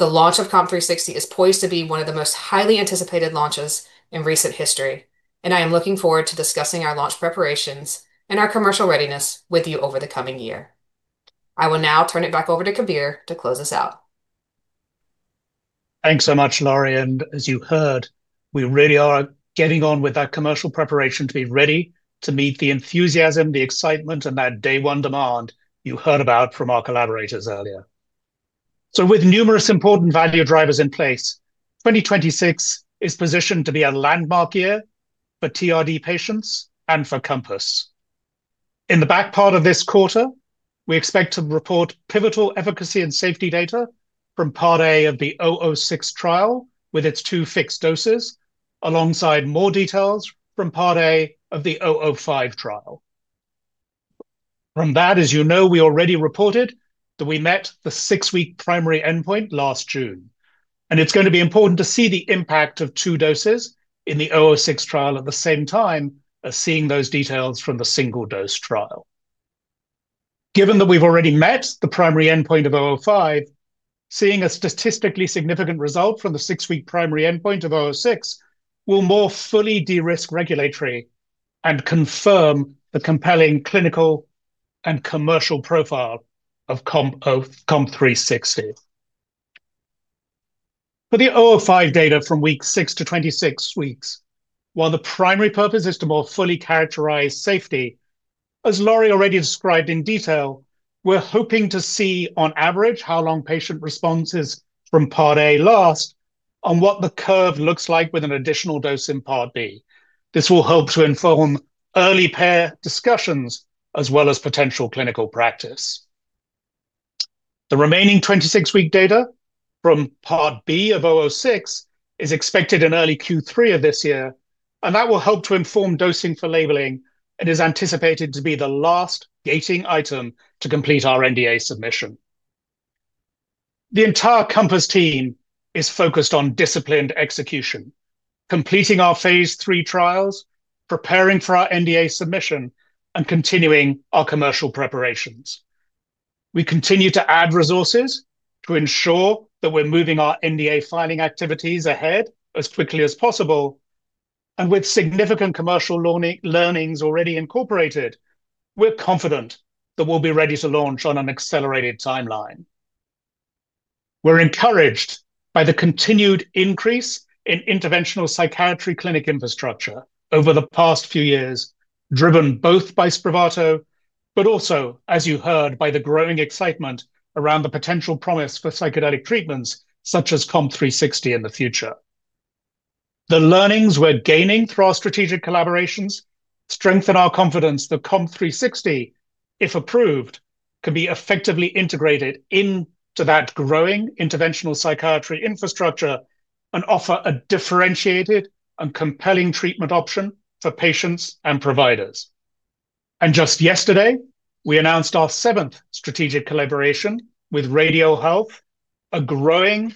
The launch of COMP360 is poised to be one of the most highly anticipated launches in recent history, and I am looking forward to discussing our launch preparations and our commercial readiness with you over the coming year. I will now turn it back over to Kabir to close us out. Thanks so much, Lori, and as you heard, we really are getting on with that commercial preparation to be ready to meet the enthusiasm, the excitement, and that day-one demand you heard about from our collaborators earlier, so with numerous important value drivers in place, 2026 is positioned to be a landmark year for TRD patients and for Compass. In the back part of this quarter, we expect to report pivotal efficacy and safety data from Part A of the 006 trial with its two fixed doses, alongside more details from Part A of the 005 trial. From that, as you know, we already reported that we met the six-week primary endpoint last June, and it's going to be important to see the impact of two doses in the 006 trial at the same time as seeing those details from the single-dose trial. Given that we've already met the primary endpoint of 005, seeing a statistically significant result from the six-week primary endpoint of 006 will more fully de-risk regulatory and confirm the compelling clinical and commercial profile of COMP360. For the 005 data from week six to 26 weeks, while the primary purpose is to more fully characterize safety, as Lori already described in detail, we're hoping to see on average how long patient responses from Part A last on what the curve looks like with an additional dose in Part B. This will help to inform early payer discussions as well as potential clinical practice. The remaining 26-week data from Part B of 006 is expected in early Q3 of this year, and that will help to inform dosing for labeling and is anticipated to be the last gating item to complete our NDA submission. The entire Compass team is focused on disciplined execution, completing our phase III trials, preparing for our NDA submission, and continuing our commercial preparations. We continue to add resources to ensure that we're moving our NDA filing activities ahead as quickly as possible, and with significant commercial learnings already incorporated, we're confident that we'll be ready to launch on an accelerated timeline. We're encouraged by the continued increase in interventional psychiatry clinic infrastructure over the past few years, driven both by Spravato, but also, as you heard, by the growing excitement around the potential promise for psychedelic treatments such as COMP360 in the future. The learnings we're gaining through our strategic collaborations strengthen our confidence that COMP360, if approved, can be effectively integrated into that growing interventional psychiatry infrastructure and offer a differentiated and compelling treatment option for patients and providers. Just yesterday, we announced our seventh strategic collaboration with Radial Health, a growing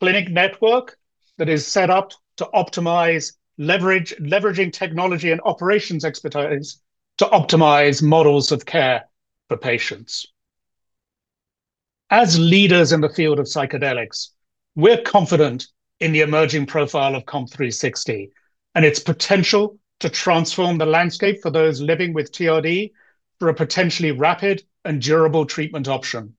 clinic network that is set up to optimize leveraging technology and operations expertise to optimize models of care for patients. As leaders in the field of psychedelics, we're confident in the emerging profile of COMP360 and its potential to transform the landscape for those living with TRD for a potentially rapid and durable treatment option.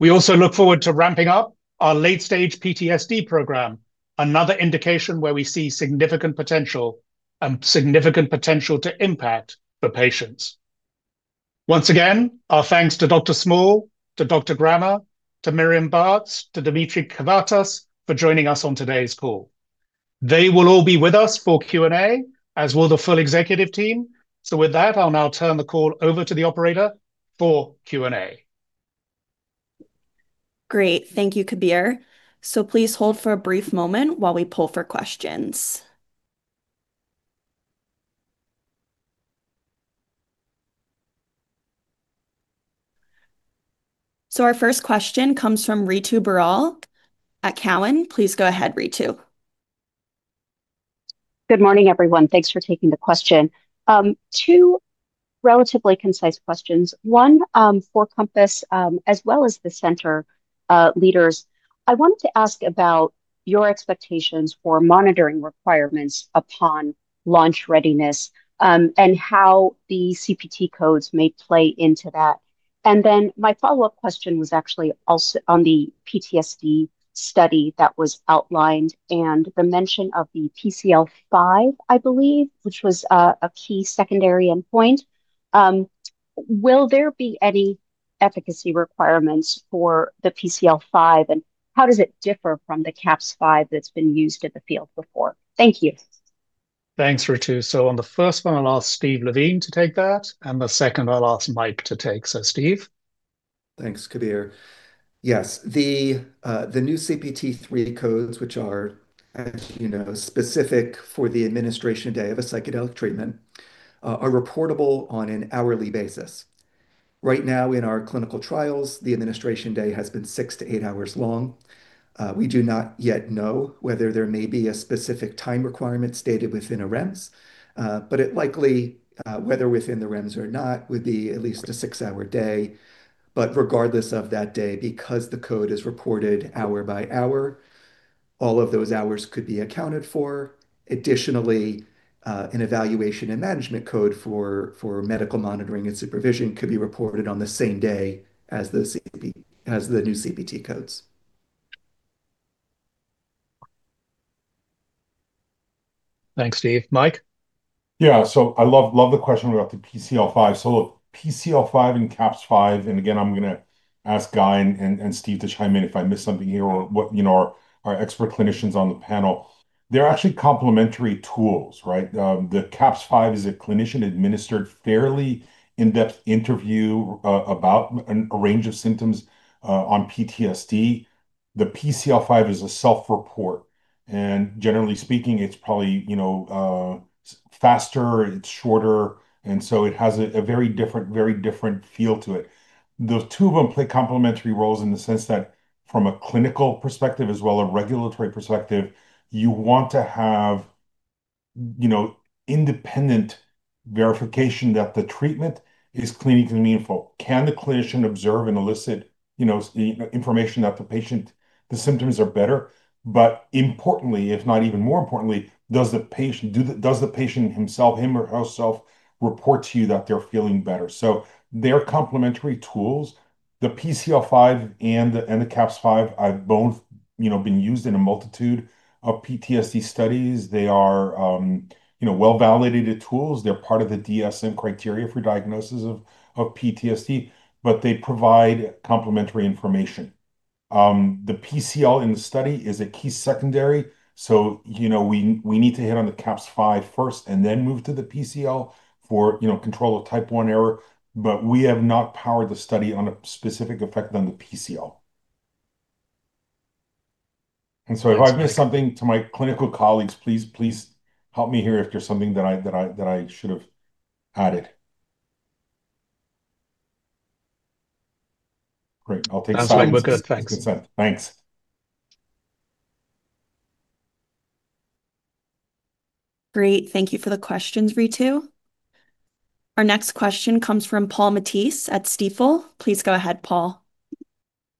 We also look forward to ramping up our late-stage PTSD program, another indication where we see significant potential to impact for patients. Once again, our thanks to Dr. Small, to Dr. Grammer, to Myriam Barthes, to Dimitri Cavathas for joining us on today's call. They will all be with us for Q&A, as will the full executive team. With that, I'll now turn the call over to the operator for Q&A. Great. Thank you, Kabir. So please hold for a brief moment while we pull for questions. So our first question comes from Ritu Baral at Cowen. Please go ahead, Ritu. Good morning, everyone. Thanks for taking the question. Two relatively concise questions. One for Compass, as well as the center leaders. I wanted to ask about your expectations for monitoring requirements upon launch readiness and how the CPT codes may play into that. And then my follow-up question was actually also on the PTSD study that was outlined and the mention of the PCL-5, I believe, which was a key secondary endpoint. Will there be any efficacy requirements for the PCL-5, and how does it differ from the CAPS-5 that's been used in the field before? Thank you. Thanks, Ritu. So on the first one, I'll ask Steve Levine to take that, and the second, I'll ask Mike to take. So Steve? Thanks, Kabir. Yes, the new CPT III codes, which are, as you know, specific for the administration day of a psychedelic treatment, are reportable on an hourly basis. Right now, in our clinical trials, the administration day has been six to eight hours long. We do not yet know whether there may be a specific time requirement stated within a REMS, but it likely, whether within the REMS or not, would be at least a six-hour day. But regardless of that day, because the code is reported hour by hour, all of those hours could be accounted for. Additionally, an evaluation and management code for medical monitoring and supervision could be reported on the same day as the new CPT codes. Thanks, Steve. Mike? Yeah, so I love the question about the PCL-5. So look, PCL-5 and CAPS-5, and again, I'm going to ask Guy and Steve to chime in if I missed something here or our expert clinicians on the panel. They're actually complementary tools, right? The CAPS-5 is a clinician-administered fairly in-depth interview about a range of symptoms on PTSD. The PCL-5 is a self-report. And generally speaking, it's probably faster, it's shorter, and so it has a very different feel to it. Those two of them play complementary roles in the sense that from a clinical perspective as well as a regulatory perspective, you want to have independent verification that the treatment is clinically meaningful. Can the clinician observe and elicit information that the symptoms are better? But importantly, if not even more importantly, does the patient himself, him or herself, report to you that they're feeling better? They're complementary tools. The PCL-5 and the CAPS-5 have both been used in a multitude of PTSD studies. They are well-validated tools. They're part of the DSM criteria for diagnosis of PTSD, but they provide complementary information. The PCL in the study is a key secondary. We need to hit on the CAPS-5 first and then move to the PCL for control of Type I error, but we have not powered the study on a specific effect on the PCL. If I've missed something to my clinical colleagues, please help me here if there's something that I should have added. Great. I'll take sides. That's fine. We're good. Thanks. Good. Thanks. Great. Thank you for the questions, Ritu. Our next question comes from Paul Matteis at Stifel. Please go ahead, Paul.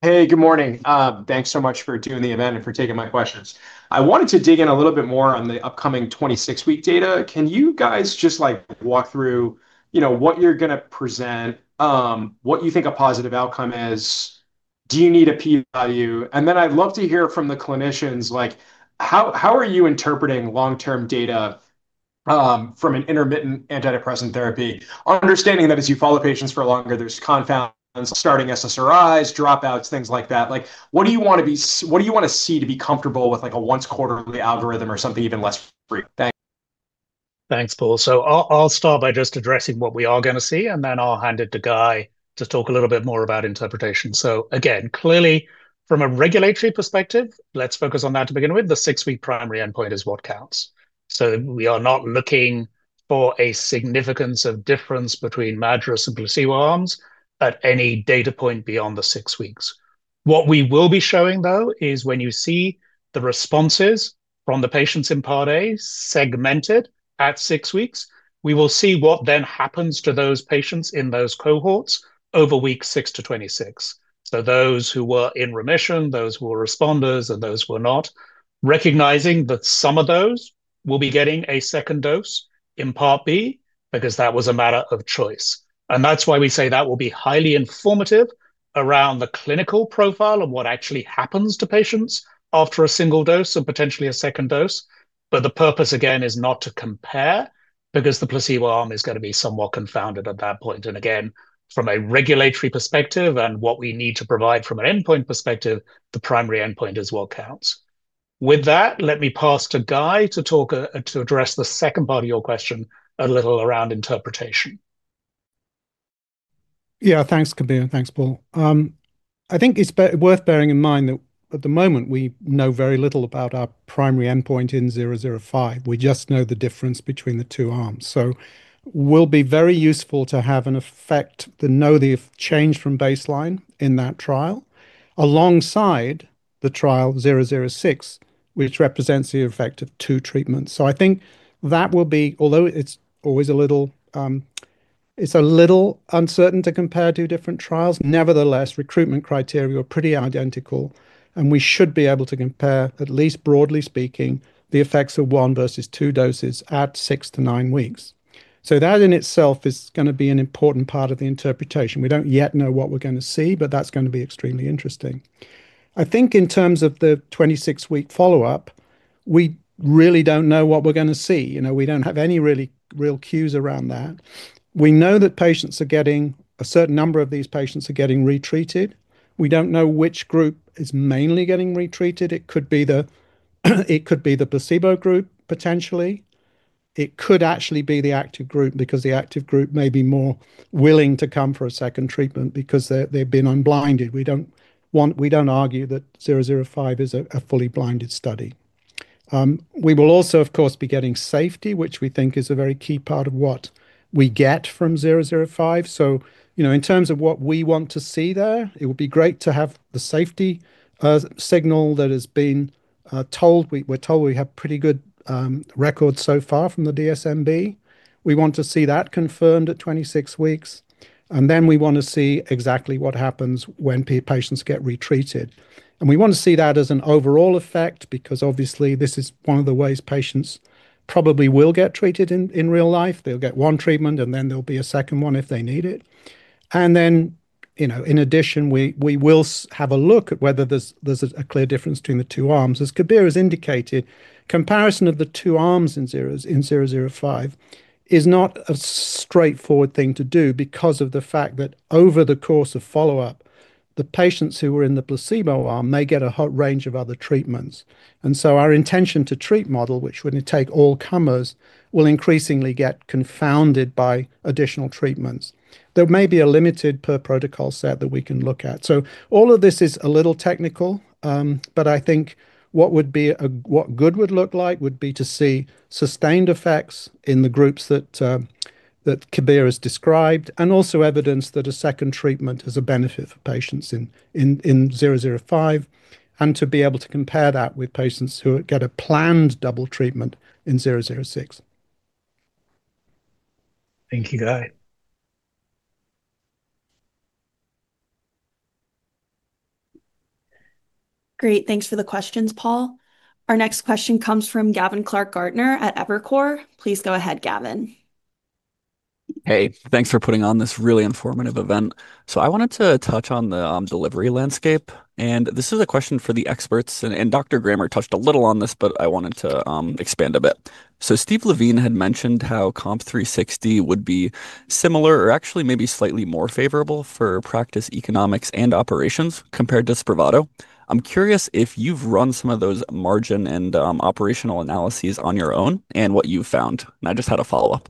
Hey, good morning. Thanks so much for doing the event and for taking my questions. I wanted to dig in a little bit more on the upcoming 26-week data. Can you guys just walk through what you're going to present, what you think a positive outcome is? Do you need a P-value? And then I'd love to hear from the clinicians, how are you interpreting long-term data from an intermittent antidepressant therapy, understanding that as you follow patients for longer, there's confounds starting SSRIs, dropouts, things like that? What do you want to see to be comfortable with a once-quarterly algorithm or something even less frequent? Thanks. Thanks, Paul. So I'll start by just addressing what we are going to see, and then I'll hand it to Guy to talk a little bit more about interpretation. So again, clearly, from a regulatory perspective, let's focus on that to begin with. The six-week primary endpoint is what counts. So we are not looking for a significance of difference between MADRS and placebo arms at any data point beyond the six weeks. What we will be showing, though, is when you see the responses from the patients in Part A segmented at six weeks, we will see what then happens to those patients in those cohorts over weeks six to 26. So those who were in remission, those who were responders, and those who were not, recognizing that some of those will be getting a second dose in Part B because that was a matter of choice. That's why we say that will be highly informative around the clinical profile of what actually happens to patients after a single dose and potentially a second dose. But the purpose, again, is not to compare because the placebo arm is going to be somewhat confounded at that point. Again, from a regulatory perspective and what we need to provide from an endpoint perspective, the primary endpoint is what counts. With that, let me pass to Guy to address the second part of your question a little around interpretation. Yeah, thanks, Kabir. Thanks, Paul. I think it's worth bearing in mind that at the moment, we know very little about our primary endpoint in 005. We just know the difference between the two arms. So it will be very useful to have an effect to know the change from baseline in that trial alongside the trial 006, which represents the effect of two treatments. So I think that will be, although it's always a little uncertain to compare two different trials, nevertheless, recruitment criteria are pretty identical, and we should be able to compare, at least broadly speaking, the effects of one versus two doses at six to nine weeks. So that in itself is going to be an important part of the interpretation. We don't yet know what we're going to see, but that's going to be extremely interesting. I think in terms of the 26-week follow-up, we really don't know what we're going to see. We don't have any really real cues around that. We know that patients are getting a certain number of these patients are getting retreated. We don't know which group is mainly getting retreated. It could be the placebo group, potentially. It could actually be the active group because the active group may be more willing to come for a second treatment because they've been unblinded. We don't argue that 005 is a fully blinded study. We will also, of course, be getting safety, which we think is a very key part of what we get from 005. So in terms of what we want to see there, it would be great to have the safety signal that has been told. We're told we have pretty good records so far from the phase II-B. We want to see that confirmed at 26 weeks. And then we want to see exactly what happens when patients get retreated. And we want to see that as an overall effect because, obviously, this is one of the ways patients probably will get treated in real life. They'll get one treatment, and then there'll be a second one if they need it. And then, in addition, we will have a look at whether there's a clear difference between the two arms. As Kabir has indicated, comparison of the two arms in 005 is not a straightforward thing to do because of the fact that over the course of follow-up, the patients who were in the placebo arm may get a whole range of other treatments. And so our intent-to-treat model, which would take all comers, will increasingly get confounded by additional treatments. There may be a limited per protocol set that we can look at. So all of this is a little technical, but I think what would be good would look like would be to see sustained effects in the groups that Kabir has described and also evidence that a second treatment is a benefit for patients in 005 and to be able to compare that with patients who get a planned double treatment in 006. Thank you, Guy. Great. Thanks for the questions, Paul. Our next question comes from Gavin Clark-Gartner at Evercore. Please go ahead, Gavin. Hey, thanks for putting on this really informative event. So I wanted to touch on the oral delivery landscape. And this is a question for the experts. And Dr. Grammer touched a little on this, but I wanted to expand a bit. So Steve Levine had mentioned how COMP360 would be similar or actually maybe slightly more favorable for practice economics and operations compared to Spravato. I'm curious if you've run some of those margin and operational analyses on your own and what you've found. And I just had a follow-up.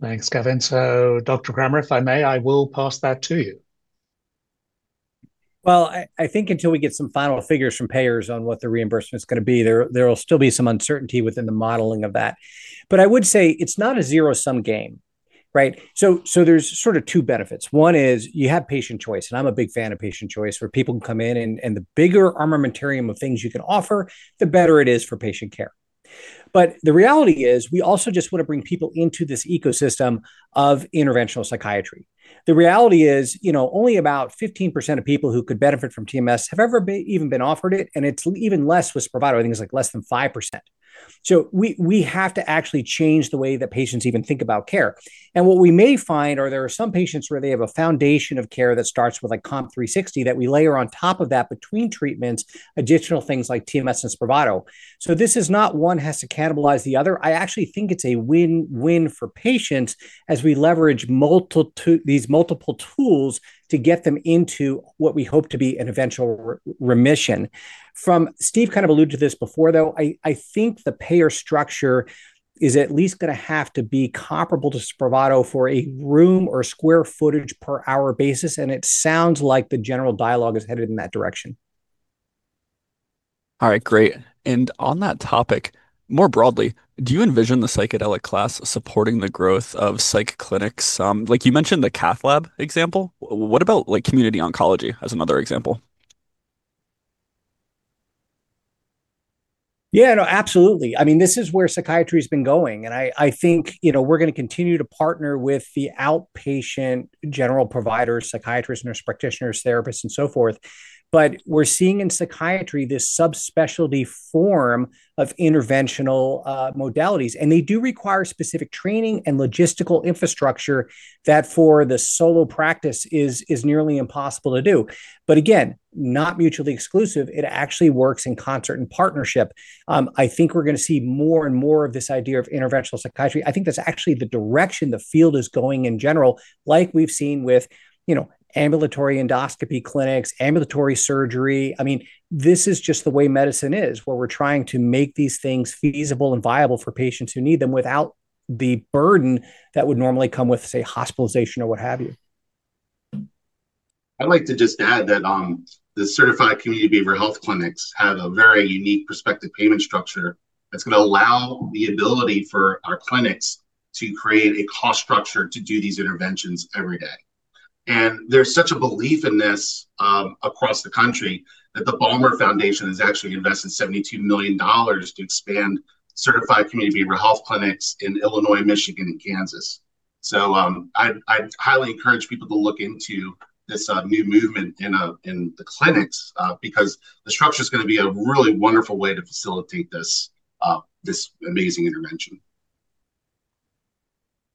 Thanks, Gavin, so Dr. Grammer, if I may, I will pass that to you. I think until we get some final figures from payers on what the reimbursement's going to be, there will still be some uncertainty within the modeling of that. But I would say it's not a zero-sum game, right? So there's sort of two benefits. One is you have patient choice, and I'm a big fan of patient choice where people can come in, and the bigger armamentarium of things you can offer, the better it is for patient care. But the reality is we also just want to bring people into this ecosystem of interventional psychiatry. The reality is only about 15% of people who could benefit from TMS have ever even been offered it, and it's even less with Spravato. I think it's like less than 5%. So we have to actually change the way that patients even think about care. What we may find is there are some patients where they have a foundation of care that starts with COMP360 that we layer on top of that between treatments, additional things like TMS and Spravato. So this is not one has to cannibalize the other. I actually think it's a win-win for patients as we leverage these multiple tools to get them into what we hope to be an eventual remission. From Steve kind of alluded to this before, though, I think the payer structure is at least going to have to be comparable to Spravato for a room or square footage per hour basis, and it sounds like the general dialogue is headed in that direction. All right, great, and on that topic, more broadly, do you envision the psychedelic class supporting the growth of psych clinics? You mentioned the cath lab example. What about community oncology as another example? Yeah, no, absolutely. I mean, this is where psychiatry has been going. And I think we're going to continue to partner with the outpatient general providers, psychiatrists, nurse practitioners, therapists, and so forth. But we're seeing in psychiatry this subspecialty form of interventional modalities, and they do require specific training and logistical infrastructure that for the solo practice is nearly impossible to do. But again, not mutually exclusive. It actually works in concert and partnership. I think we're going to see more and more of this idea of interventional psychiatry. I think that's actually the direction the field is going in general, like we've seen with ambulatory endoscopy clinics, ambulatory surgery. I mean, this is just the way medicine is, where we're trying to make these things feasible and viable for patients who need them without the burden that would normally come with, say, hospitalization or what have you. I'd like to just add that the Certified Community Behavioral Health Clinics have a very unique prospective payment structure that's going to allow the ability for our clinics to create a cost structure to do these interventions every day. And there's such a belief in this across the country that the Ballmer Foundation has actually invested $72 million to expand Certified Community Behavioral Health Clinics in Illinois, Michigan, and Kansas. So I'd highly encourage people to look into this new movement in the clinics because the structure is going to be a really wonderful way to facilitate this amazing intervention.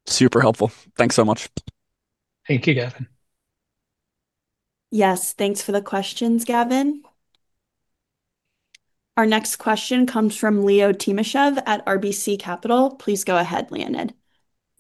Super helpful. Thanks so much. Thank you, Gavin. Yes, thanks for the questions, Gavin. Our next question comes from Leo Timashev at RBC Capital. Please go ahead, Leo.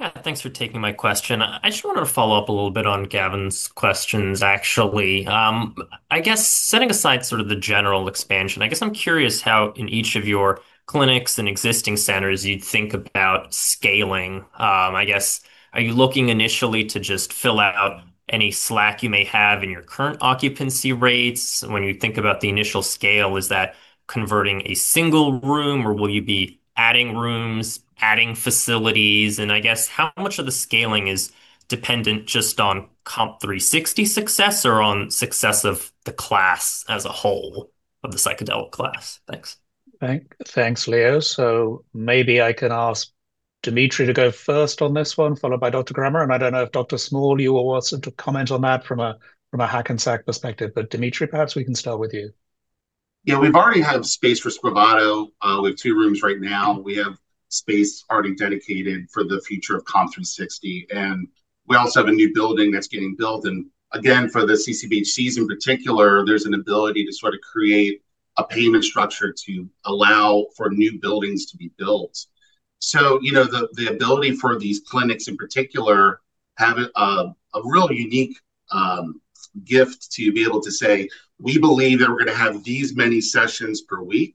Yeah, thanks for taking my question. I just wanted to follow up a little bit on Gavin's questions, actually. I guess setting aside sort of the general expansion, I guess I'm curious how in each of your clinics and existing centers, you'd think about scaling. I guess, are you looking initially to just fill out any slack you may have in your current occupancy rates? When you think about the initial scale, is that converting a single room, or will you be adding rooms, adding facilities? And I guess how much of the scaling is dependent just on COMP360 success or on success of the class as a whole, of the psychedelic class? Thanks. Thanks, Leo. So maybe I can ask Dimitri to go first on this one, followed by Dr. Grammer. And I don't know if Dr. Small, you were wanting to comment on that from a Hackensack perspective, but Dimitri, perhaps we can start with you. Yeah, we've already had space for Spravato. We have two rooms right now. We have space already dedicated for the future of COMP360. And we also have a new building that's getting built. And again, for the CCBHCs in particular, there's an ability to sort of create a payment structure to allow for new buildings to be built. So the ability for these clinics in particular have a real unique gift to be able to say, "We believe that we're going to have these many sessions per week.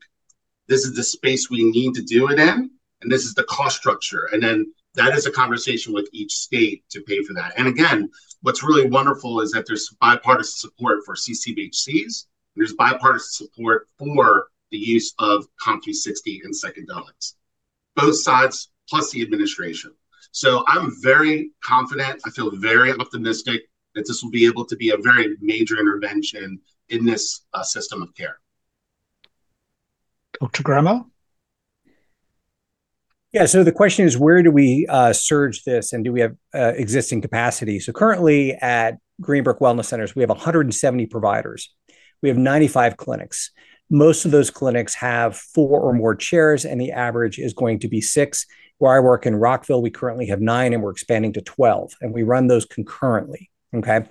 This is the space we need to do it in, and this is the cost structure." And then that is a conversation with each state to pay for that. And again, what's really wonderful is that there's bipartisan support for CCBHCs, and there's bipartisan support for the use of COMP360 and psychedelics, both sides, plus the administration. So I'm very confident. I feel very optimistic that this will be able to be a very major intervention in this system of care. Dr. Grammer? Yeah, so the question is, where do we surge this and do we have existing capacity? Currently, at Greenbrook Wellness Centers, we have 170 providers. We have 95 clinics. Most of those clinics have four or more chairs, and the average is going to be six. Where I work in Rockville, we currently have nine, and we're expanding to 12, and we run those concurrently. Okay?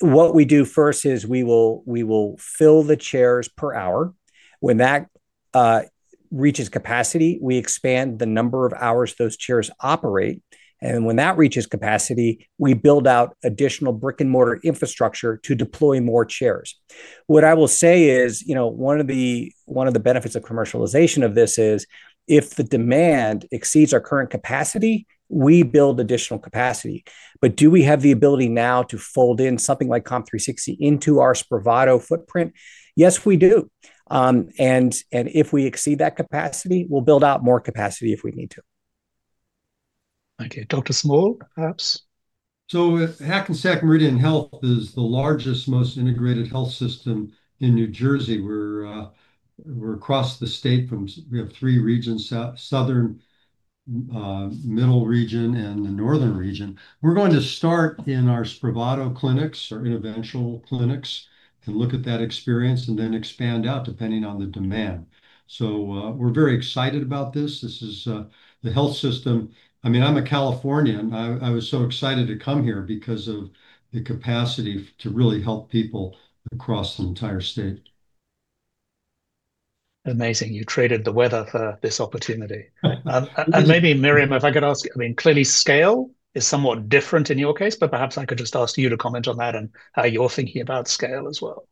What we do first is we will fill the chairs per hour. When that reaches capacity, we expand the number of hours those chairs operate, and when that reaches capacity, we build out additional brick-and-mortar infrastructure to deploy more chairs. What I will say is one of the benefits of commercialization of this is if the demand exceeds our current capacity, we build additional capacity. Do we have the ability now to fold in something like COMP360 into our Spravato footprint? Yes, we do, and if we exceed that capacity, we'll build out more capacity if we need to. Thank you. Dr. Small, perhaps? Hackensack Meridian Health is the largest, most integrated health system in New Jersey. We're across the state. We have three regions: southern, middle region, and the northern region. We're going to start in our Spravato clinics, our interventional clinics, and look at that experience and then expand out depending on the demand. We're very excited about this. This is the health system. I mean, I'm a Californian. I was so excited to come here because of the capacity to really help people across the entire state. Amazing. You traded the weather for this opportunity. And maybe, Myriam, if I could ask, I mean, clearly, scale is somewhat different in your case, but perhaps I could just ask you to comment on that and how you're thinking about scale as well.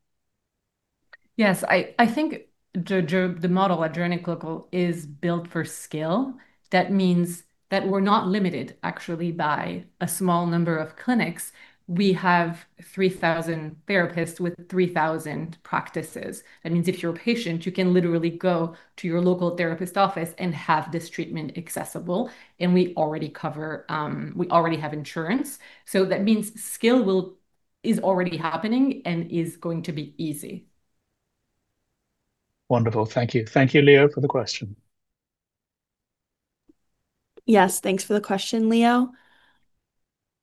Yes, I think the model at Journey Clinical is built for scale. That means that we're not limited, actually, by a small number of clinics. We have 3,000 therapists with 3,000 practices. That means if you're a patient, you can literally go to your local therapist office and have this treatment accessible. And we already have insurance. So that means scale is already happening and is going to be easy. Wonderful. Thank you. Thank you, Leo, for the question. Yes, thanks for the question, Leo.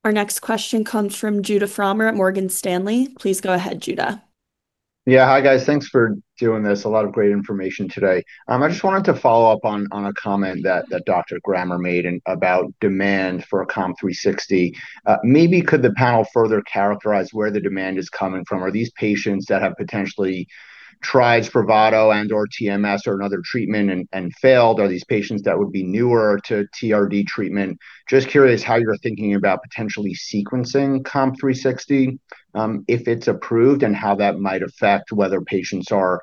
Our next question comes from Judah Frommer at Morgan Stanley. Please go ahead, Judah. Yeah, hi, guys. Thanks for doing this. A lot of great information today. I just wanted to follow up on a comment that Dr. Grammer made about demand for COMP360. Maybe could the panel further characterize where the demand is coming from? Are these patients that have potentially tried Spravato and/or TMS or another treatment and failed? Are these patients that would be newer to TRD treatment? Just curious how you're thinking about potentially sequencing COMP360 if it's approved and how that might affect whether patients are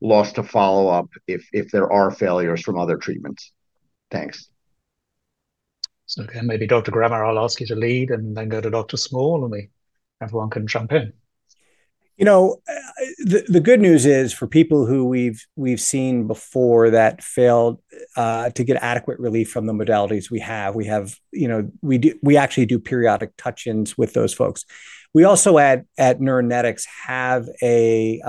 lost to follow-up if there are failures from other treatments. Thanks. So maybe Dr. Grammer, I'll ask you to lead and then go to Dr. Small, and everyone can jump in. You know, the good news is for people who we've seen before that failed to get adequate relief from the modalities we have, we actually do periodic touch-ins with those folks. We also at Neuronetics have a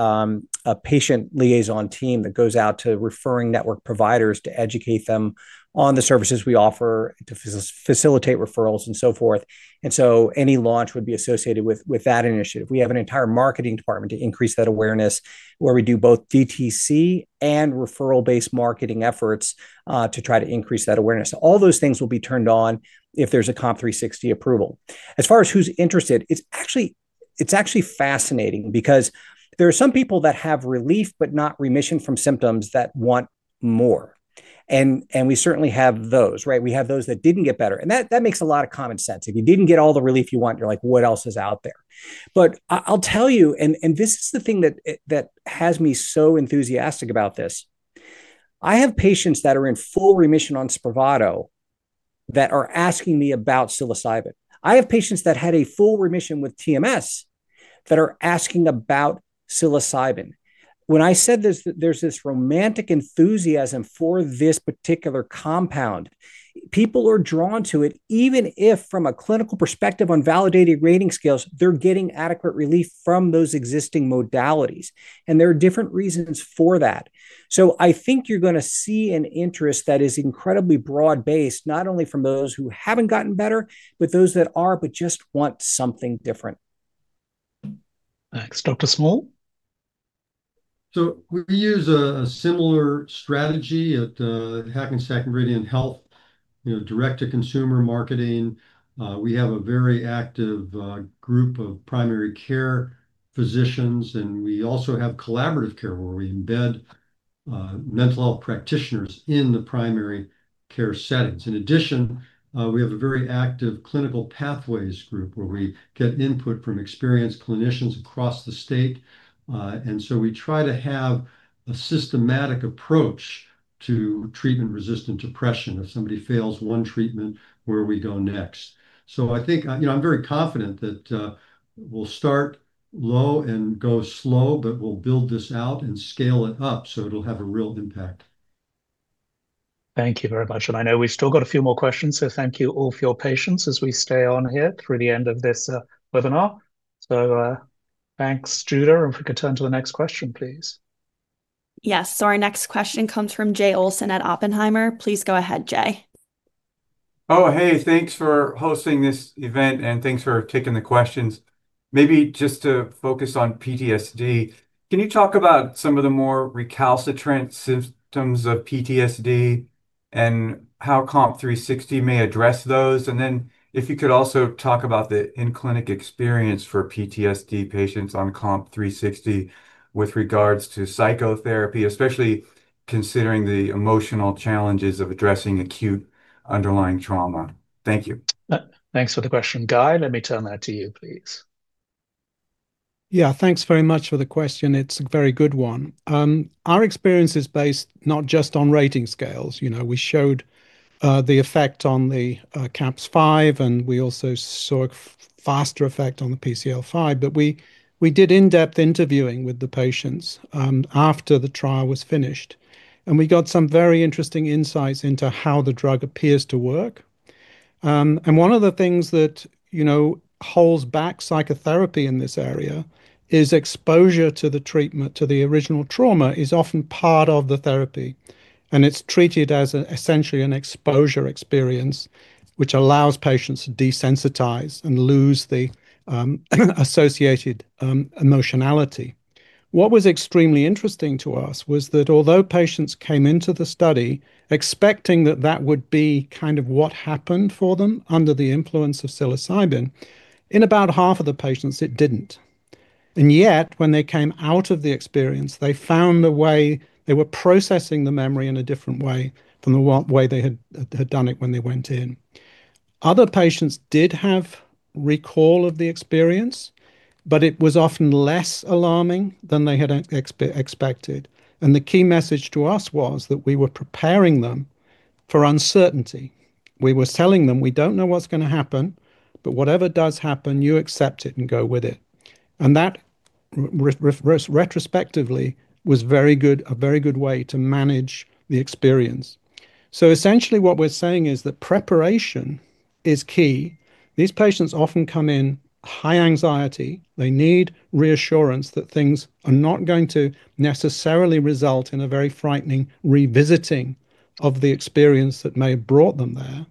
patient liaison team that goes out to referring network providers to educate them on the services we offer to facilitate referrals and so forth and so any launch would be associated with that initiative. We have an entire marketing department to increase that awareness, where we do both DTC and referral-based marketing efforts to try to increase that awareness. All those things will be turned on if there's a COMP360 approval. As far as who's interested, it's actually fascinating because there are some people that have relief but not remission from symptoms that want more and we certainly have those, right? We have those that didn't get better. And that makes a lot of common sense. If you didn't get all the relief you want, you're like, "What else is out there?" But I'll tell you, and this is the thing that has me so enthusiastic about this. I have patients that are in full remission on Spravato that are asking me about psilocybin. I have patients that had a full remission with TMS that are asking me about psilocybin. When I said there's this romantic enthusiasm for this particular compound, people are drawn to it. Even if from a clinical perspective on validating rating scales, they're getting adequate relief from those existing modalities. And there are different reasons for that. So I think you're going to see an interest that is incredibly broad-based, not only from those who haven't gotten better, but those that are but just want something different. Thanks. Dr. Small? We use a similar strategy at Hackensack Meridian Health, direct-to-consumer marketing. We have a very active group of primary care physicians, and we also have collaborative care where we embed mental health practitioners in the primary care settings. In addition, we have a very active clinical pathways group where we get input from experienced clinicians across the state. And so we try to have a systematic approach to treatment-resistant depression. If somebody fails one treatment, where we go next? So I think I'm very confident that we'll start low and go slow, but we'll build this out and scale it up so it'll have a real impact. Thank you very much. And I know we've still got a few more questions, so thank you all for your patience as we stay on here through the end of this webinar. So thanks, Judah. And if we could turn to the next question, please. Yes. So our next question comes from Jay Olson at Oppenheimer. Please go ahead, Jay. Oh, hey, thanks for hosting this event, and thanks for taking the questions. Maybe just to focus on PTSD, can you talk about some of the more recalcitrant symptoms of PTSD and how COMP360 may address those? And then if you could also talk about the in-clinic experience for PTSD patients on COMP360 with regards to psychotherapy, especially considering the emotional challenges of addressing acute underlying trauma. Thank you. Thanks for the question. Guy, let me turn that to you, please. Yeah, thanks very much for the question. It's a very good one. Our experience is based not just on rating scales. We showed the effect on the CAPS-5, and we also saw a faster effect on the PCL-5. But we did in-depth interviewing with the patients after the trial was finished, and we got some very interesting insights into how the drug appears to work. And one of the things that holds back psychotherapy in this area is exposure to the treatment, to the original trauma, is often part of the therapy. And it's treated as essentially an exposure experience, which allows patients to desensitize and lose the associated emotionality. What was extremely interesting to us was that although patients came into the study expecting that that would be kind of what happened for them under the influence of psilocybin, in about half of the patients, it didn't. Yet, when they came out of the experience, they found the way they were processing the memory in a different way from the way they had done it when they went in. Other patients did have recall of the experience, but it was often less alarming than they had expected. The key message to us was that we were preparing them for uncertainty. We were telling them, "We don't know what's going to happen, but whatever does happen, you accept it and go with it." That retrospectively was a very good way to manage the experience. Essentially, what we're saying is that preparation is key. These patients often come in high anxiety. They need reassurance that things are not going to necessarily result in a very frightening revisiting of the experience that may have brought them there.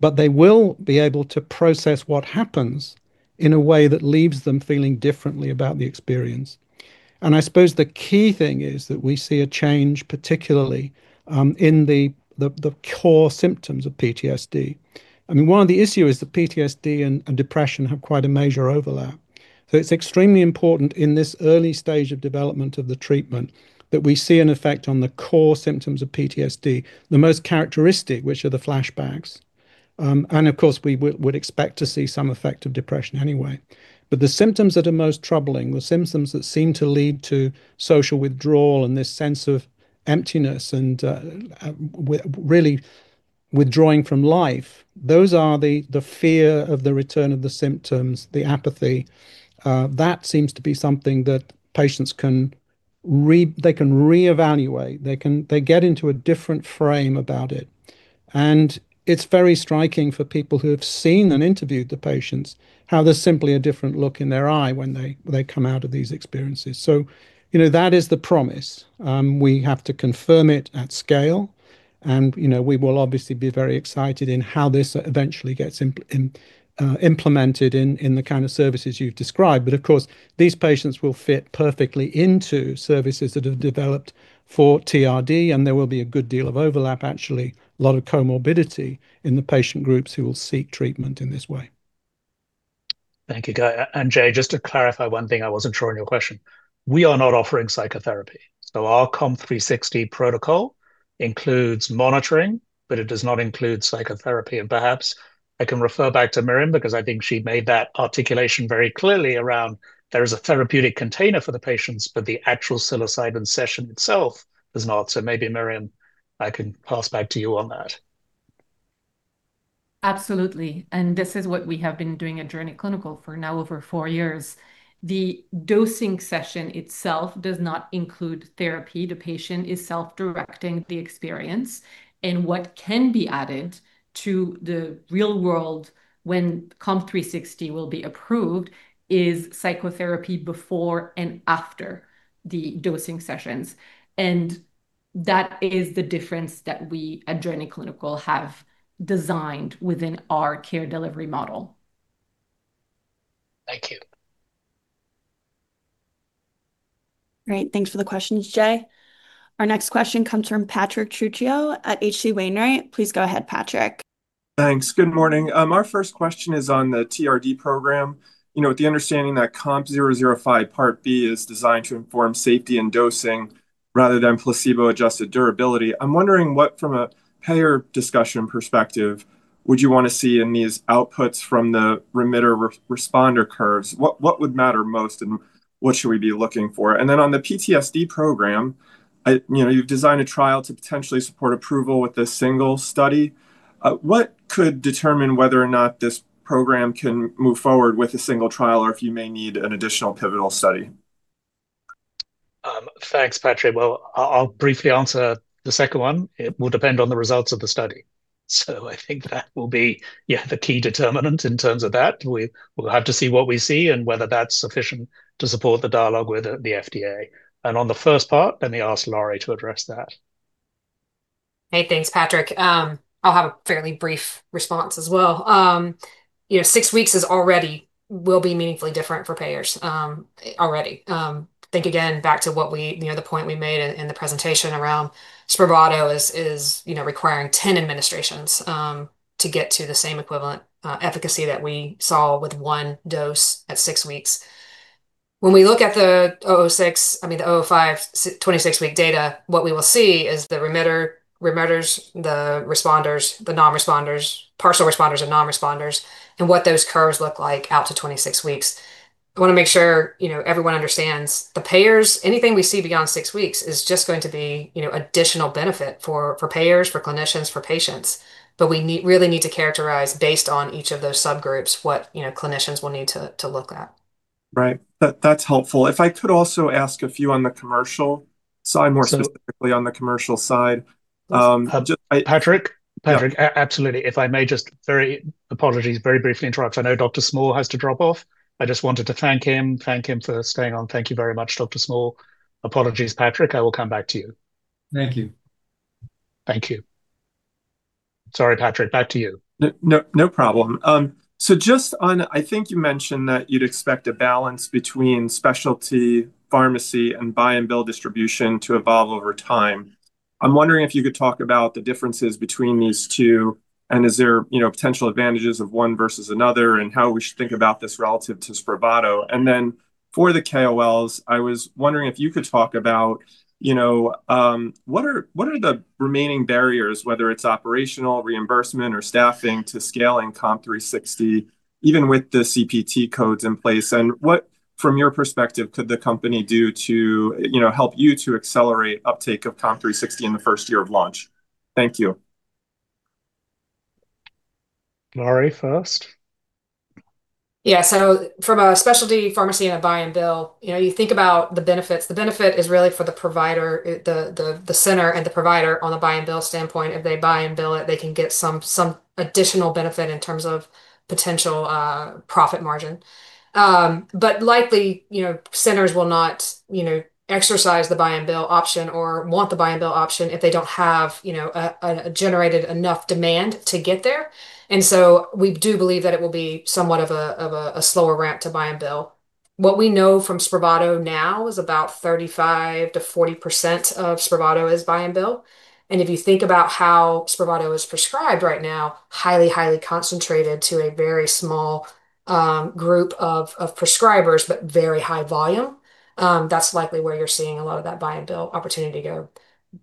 But they will be able to process what happens in a way that leaves them feeling differently about the experience. And I suppose the key thing is that we see a change, particularly in the core symptoms of PTSD. I mean, one of the issues is that PTSD and depression have quite a major overlap. So it's extremely important in this early stage of development of the treatment that we see an effect on the core symptoms of PTSD, the most characteristic, which are the flashbacks. And of course, we would expect to see some effect of depression anyway. But the symptoms that are most troubling, the symptoms that seem to lead to social withdrawal and this sense of emptiness and really withdrawing from life, those are the fear of the return of the symptoms, the apathy. That seems to be something that patients can reevaluate. They get into a different frame about it. And it's very striking for people who have seen and interviewed the patients how there's simply a different look in their eye when they come out of these experiences. So that is the promise. We have to confirm it at scale. And we will obviously be very excited in how this eventually gets implemented in the kind of services you've described. But of course, these patients will fit perfectly into services that have developed for TRD, and there will be a good deal of overlap, actually, a lot of comorbidity in the patient groups who will seek treatment in this way. Thank you, Guy. And Jay, just to clarify one thing I wasn't sure on your question. We are not offering psychotherapy. So our COMP360 protocol includes monitoring, but it does not include psychotherapy. And perhaps I can refer back to Myriam because I think she made that articulation very clearly around there is a therapeutic container for the patients, but the actual psilocybin session itself does not. So maybe, Myriam, I can pass back to you on that. Absolutely. And this is what we have been doing at Journey Clinical for now over four years. The dosing session itself does not include therapy. The patient is self-directing the experience. And what can be added to the real world when COMP360 will be approved is psychotherapy before and after the dosing sessions. And that is the difference that we at Journey Clinical have designed within our care delivery model. Thank you. Great. Thanks for the questions, Jay. Our next question comes from Patrick Trucchio at H.C. Wainwright. Please go ahead, Patrick. Thanks. Good morning. Our first question is on the TRD program. With the understanding that COMP005 Part B is designed to inform safety and dosing rather than placebo-adjusted durability, I'm wondering what, from a payer discussion perspective, would you want to see in these outputs from the remitter-responder curves? What would matter most, and what should we be looking for? And then on the PTSD program, you've designed a trial to potentially support approval with a single study. What could determine whether or not this program can move forward with a single trial, or if you may need an additional pivotal study? Thanks, Patrick. Well, I'll briefly answer the second one. It will depend on the results of the study. So I think that will be the key determinant in terms of that. We'll have to see what we see and whether that's sufficient to support the dialogue with the FDA. And on the first part, let me ask Lori to address that. Hey, thanks, Patrick. I'll have a fairly brief response as well. Six weeks will be meaningfully different for payers already. Think again back to the point we made in the presentation around Spravato is requiring 10 administrations to get to the same equivalent efficacy that we saw with one dose at six weeks. When we look at the 006, I mean, the 005 26-week data, what we will see is the remitters, the responders, the non-responders, partial responders, and non-responders, and what those curves look like out to 26 weeks. I want to make sure everyone understands the payers. Anything we see beyond six weeks is just going to be additional benefit for payers, for clinicians, for patients. But we really need to characterize based on each of those subgroups what clinicians will need to look at. Right. That's helpful. If I could also ask a few on the commercial side, more specifically on the commercial side. Patrick? Patrick, absolutely. If I may just, apologies, very briefly interrupt. I know Dr. Small has to drop off. I just wanted to thank him, thank him for staying on. Thank you very much, Dr. Small. Apologies, Patrick. I will come back to you. Thank you. Thank you. Sorry, Patrick. Back to you. No problem. So just on, I think you mentioned that you'd expect a balance between specialty pharmacy and buy-and-bill distribution to evolve over time. I'm wondering if you could talk about the differences between these two, and is there potential advantages of one versus another, and how we should think about this relative to Spravato. And then for the KOLs, I was wondering if you could talk about what are the remaining barriers, whether it's operational, reimbursement, or staffing to scaling COMP360, even with the CPT codes in place? And what, from your perspective, could the company do to help you to accelerate uptake of COMP360 in the first year of launch? Thank you. Lori first. Yeah. So from a specialty pharmacy and a buy-and-bill, you think about the benefits. The benefit is really for the center and the provider on the buy-and-bill standpoint. If they buy and bill it, they can get some additional benefit in terms of potential profit margin. But likely, centers will not exercise the buy-and-bill option or want the buy-and-bill option if they don't have generated enough demand to get there. And so we do believe that it will be somewhat of a slower ramp to buy-and-bill. What we know from Spravato now is about 35%-40% of Spravato is buy-and-bill. And if you think about how Spravato is prescribed right now, highly, highly concentrated to a very small group of prescribers, but very high volume, that's likely where you're seeing a lot of that buy-and-bill opportunity go.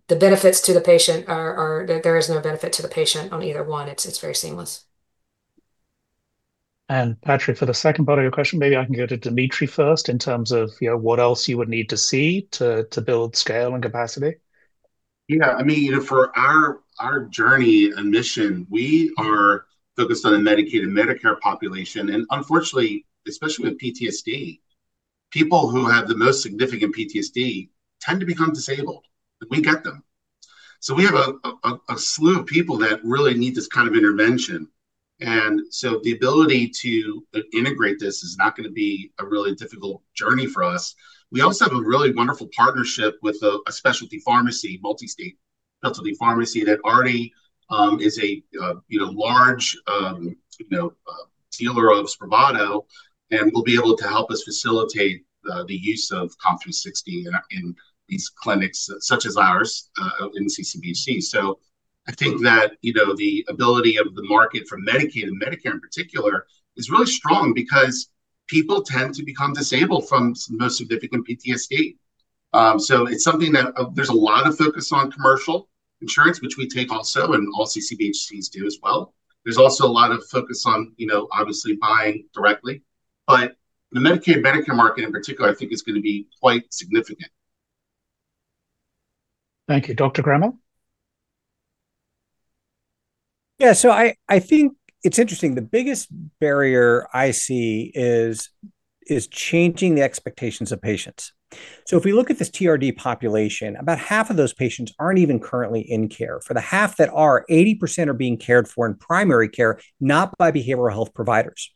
The benefits to the patient are that there is no benefit to the patient on either one. It's very seamless. Patrick, for the second part of your question, maybe I can go to Dimitri first in terms of what else you would need to see to build scale and capacity. Yeah. I mean, for our journey and mission, we are focused on the Medicaid and Medicare population. And unfortunately, especially with PTSD, people who have the most significant PTSD tend to become disabled. We get them. So we have a slew of people that really need this kind of intervention. And so the ability to integrate this is not going to be a really difficult journey for us. We also have a really wonderful partnership with a specialty pharmacy, multi-state specialty pharmacy, that already is a large dealer of Spravato, and will be able to help us facilitate the use of COMP360 in these clinics such as ours in CCBHC. So I think that the ability of the market for Medicaid and Medicare in particular is really strong because people tend to become disabled from most significant PTSD. So it's something that there's a lot of focus on commercial insurance, which we take also, and all CCBHCs do as well. There's also a lot of focus on, obviously, buying directly. But the Medicaid and Medicare market in particular, I think, is going to be quite significant. Thank you. Dr. Grammer? Yeah. So I think it's interesting. The biggest barrier I see is changing the expectations of patients. So if we look at this TRD population, about half of those patients aren't even currently in care. For the half that are, 80% are being cared for in primary care, not by behavioral health providers.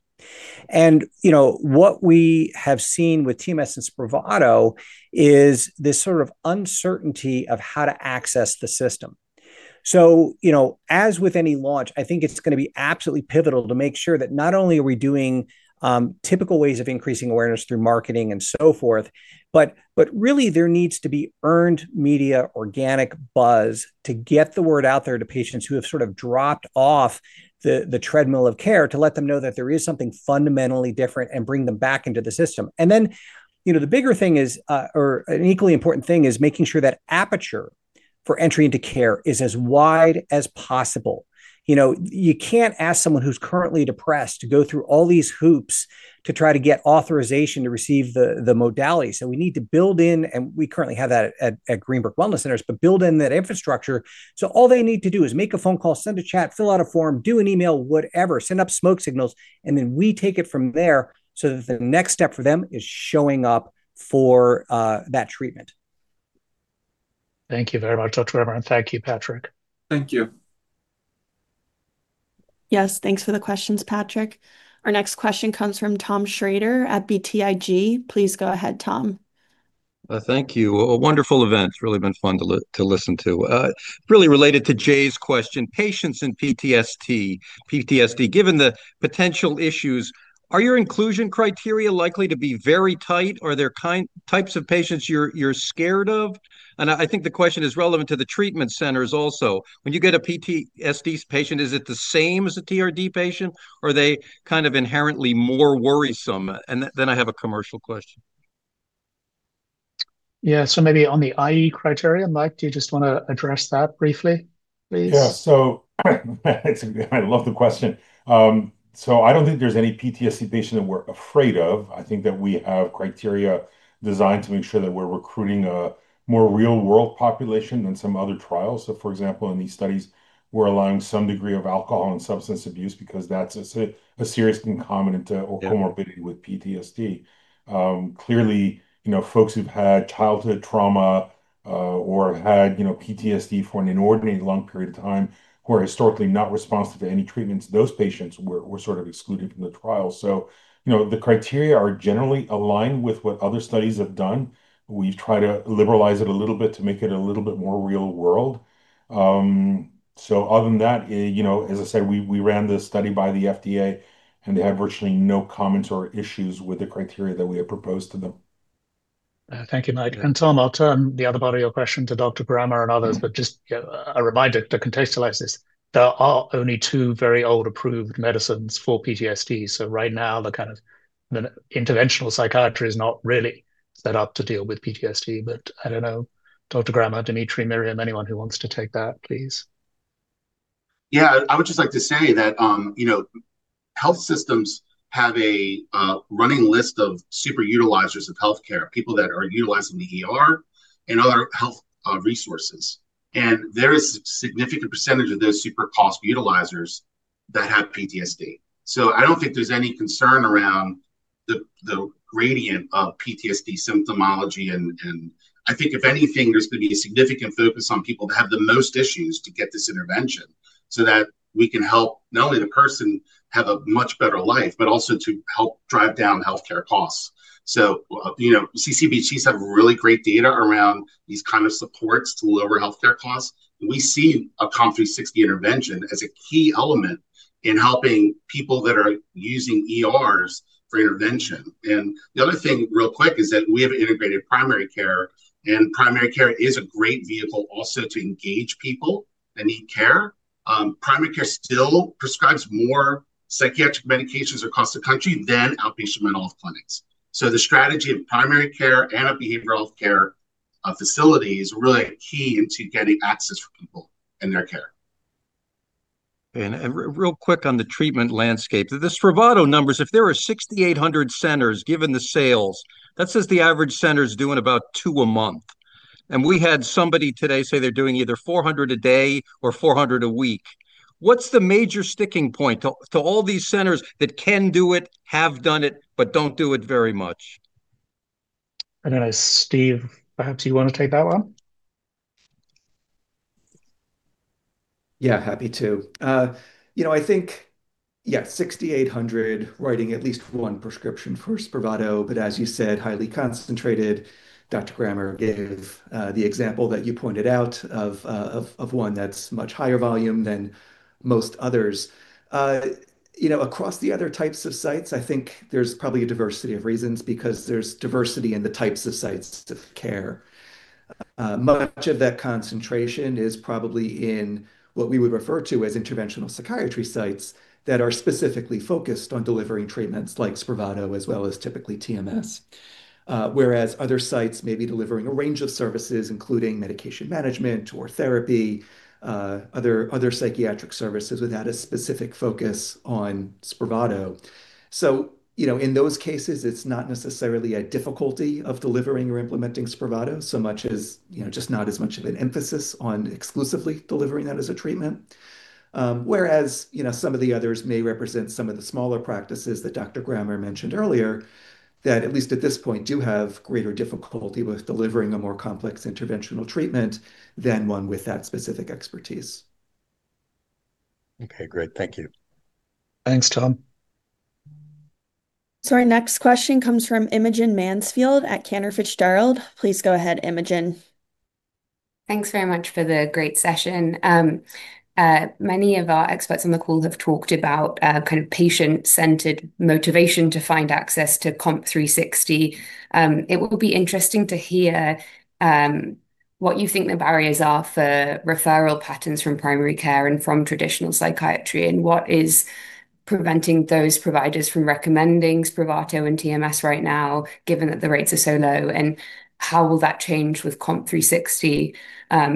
And what we have seen with TMS and Spravato is this sort of uncertainty of how to access the system. So as with any launch, I think it's going to be absolutely pivotal to make sure that not only are we doing typical ways of increasing awareness through marketing and so forth, but really, there needs to be earned media, organic buzz to get the word out there to patients who have sort of dropped off the treadmill of care to let them know that there is something fundamentally different and bring them back into the system. And then the bigger thing is, or an equally important thing, is making sure that aperture for entry into care is as wide as possible. You can't ask someone who's currently depressed to go through all these hoops to try to get authorization to receive the modality. So we need to build in, and we currently have that at Greenbrook Wellness Centers, but build in that infrastructure. So all they need to do is make a phone call, send a chat, fill out a form, do an email, whatever, send up smoke signals, and then we take it from there so that the next step for them is showing up for that treatment. Thank you very much, Dr. Grammer, and thank you, Patrick. Thank you. Yes. Thanks for the questions, Patrick. Our next question comes from Tom Shrader at BTIG. Please go ahead, Tom. Thank you. A wonderful event. It's really been fun to listen to. Really related to Jay's question, patients in PTSD. PTSD, given the potential issues, are your inclusion criteria likely to be very tight? Are there types of patients you're scared of? And I think the question is relevant to the treatment centers also. When you get a PTSD patient, is it the same as a TRD patient, or are they kind of inherently more worrisome? And then I have a commercial question. Yeah, so maybe on the I/E criteria, Mike, do you just want to address that briefly, please? Yeah. So I love the question. So I don't think there's any PTSD patient that we're afraid of. I think that we have criteria designed to make sure that we're recruiting a more real-world population than some other trials. So for example, in these studies, we're allowing some degree of alcohol and substance abuse because that's a serious concomitant or comorbidity with PTSD. Clearly, folks who've had childhood trauma or have had PTSD for an inordinate long period of time who are historically not responsive to any treatments, those patients were sort of excluded from the trial. So the criteria are generally aligned with what other studies have done. We've tried to liberalize it a little bit to make it a little bit more real-world. So other than that, as I said, we ran this study by the FDA, and they had virtually no comments or issues with the criteria that we had proposed to them. Thank you, Mike. And Tom, I'll turn the other part of your question to Dr. Grammer and others, but just a reminder to contextualize this. There are only two very old approved medicines for PTSD. So right now, the kind of interventional psychiatry is not really set up to deal with PTSD. But I don't know, Dr. Grammer, Dimitri, Myriam, anyone who wants to take that, please. Yeah. I would just like to say that health systems have a running list of super utilizers of healthcare, people that are utilizing the ER and other health resources, and there is a significant percentage of those super-cost utilizers that have PTSD. So I don't think there's any concern around the gradient of PTSD symptomology. I think, if anything, there's going to be a significant focus on people that have the most issues to get this intervention so that we can help not only the person have a much better life, but also to help drive down healthcare costs. CCBHCs have really great data around these kinds of supports to lower healthcare costs. We see a COMP360 intervention as a key element in helping people that are using ERs for intervention. And the other thing, real quick, is that we have integrated primary care, and primary care is a great vehicle also to engage people that need care. Primary care still prescribes more psychiatric medications across the country than outpatient mental health clinics. So the strategy of primary care and a behavioral healthcare facility is really key into getting access for people in their care. Real quick on the treatment landscape, the Spravato numbers, if there are 6,800 centers given the sales, that says the average center is doing about two a month. We had somebody today say they're doing either 400 a day or 400 a week. What's the major sticking point to all these centers that can do it, have done it, but don't do it very much? I don't know. Steve, perhaps you want to take that one? Yeah. Happy to. I think, yeah, 6,800 writing at least one prescription for Spravato, but as you said, highly concentrated. Dr. Grammer gave the example that you pointed out of one that's much higher volume than most others. Across the other types of sites, I think there's probably a diversity of reasons because there's diversity in the types of sites of care. Much of that concentration is probably in what we would refer to as interventional psychiatry sites that are specifically focused on delivering treatments like Spravato as well as typically TMS, whereas other sites may be delivering a range of services, including medication management or therapy, other psychiatric services without a specific focus on Spravato. In those cases, it's not necessarily a difficulty of delivering or implementing Spravato so much as just not as much of an emphasis on exclusively delivering that as a treatment, whereas some of the others may represent some of the smaller practices that Dr. Grammer mentioned earlier that, at least at this point, do have greater difficulty with delivering a more complex interventional treatment than one with that specific expertise. Okay. Great. Thank you. Thanks, Tom. Our next question comes from Imogen Mansfield at Cantor Fitzgerald. Please go ahead, Imogen. Thanks very much for the great session. Many of our experts on the call have talked about kind of patient-centered motivation to find access to COMP360. It will be interesting to hear what you think the barriers are for referral patterns from primary care and from traditional psychiatry, and what is preventing those providers from recommending Spravato and TMS right now, given that the rates are so low, and how will that change with COMP360?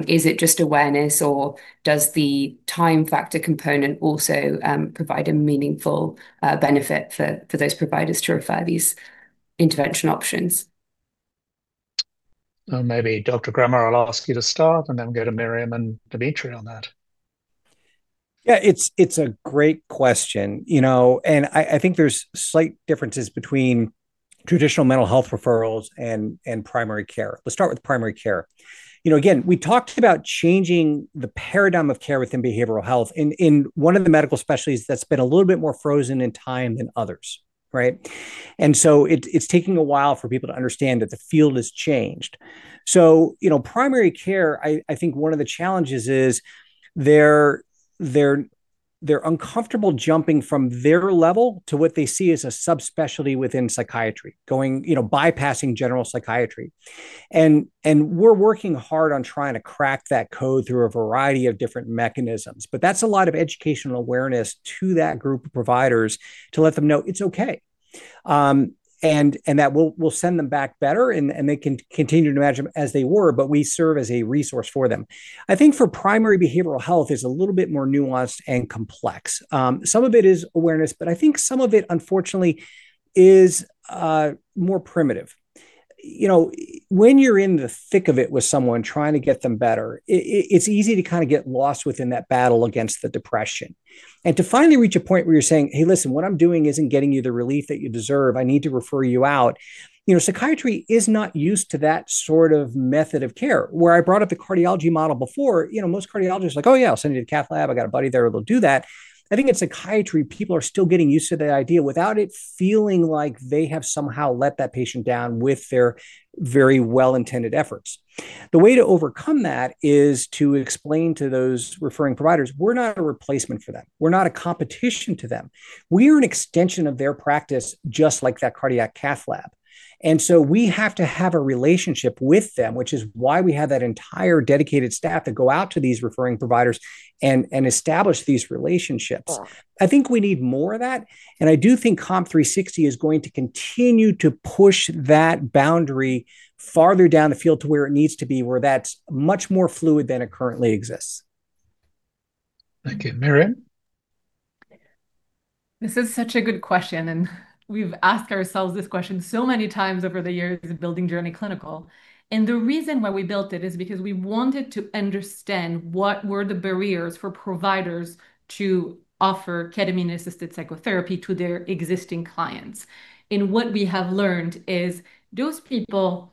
Is it just awareness, or does the time factor component also provide a meaningful benefit for those providers to refer these intervention options? Maybe Dr. Grammer will ask you to start, and then we'll go to Myriam and Dimitri on that. Yeah. It's a great question. And I think there's slight differences between traditional mental health referrals and primary care. Let's start with primary care. Again, we talked about changing the paradigm of care within behavioral health in one of the medical specialties that's been a little bit more frozen in time than others, right? And so it's taking a while for people to understand that the field has changed. So primary care, I think one of the challenges is they're uncomfortable jumping from their level to what they see as a subspecialty within psychiatry, bypassing general psychiatry. And we're working hard on trying to crack that code through a variety of different mechanisms. But that's a lot of educational awareness to that group of providers to let them know it's okay. That will send them back better, and they can continue to manage them as they were, but we serve as a resource for them. I think for primary behavioral health is a little bit more nuanced and complex. Some of it is awareness, but I think some of it, unfortunately, is more primitive. When you're in the thick of it with someone trying to get them better, it's easy to kind of get lost within that battle against the depression. To finally reach a point where you're saying, "Hey, listen, what I'm doing isn't getting you the relief that you deserve. I need to refer you out." Psychiatry is not used to that sort of method of care. Where I brought up the cardiology model before, most cardiologists are like, "Oh, yeah, I'll send you to the cath lab. I got a buddy there who'll do that." I think in psychiatry, people are still getting used to the idea without it feeling like they have somehow let that patient down with their very well-intended efforts. The way to overcome that is to explain to those referring providers, "We're not a replacement for them. We're not a competition to them. We are an extension of their practice, just like that cardiac cath lab," and so we have to have a relationship with them, which is why we have that entire dedicated staff that go out to these referring providers and establish these relationships. I think we need more of that, and I do think COMP360 is going to continue to push that boundary farther down the field to where it needs to be, where that's much more fluid than it currently exists. Thank you. Myriam? This is such a good question. And we've asked ourselves this question so many times over the years at building Journey Clinical. And the reason why we built it is because we wanted to understand what were the barriers for providers to offer ketamine-assisted psychotherapy to their existing clients. And what we have learned is those people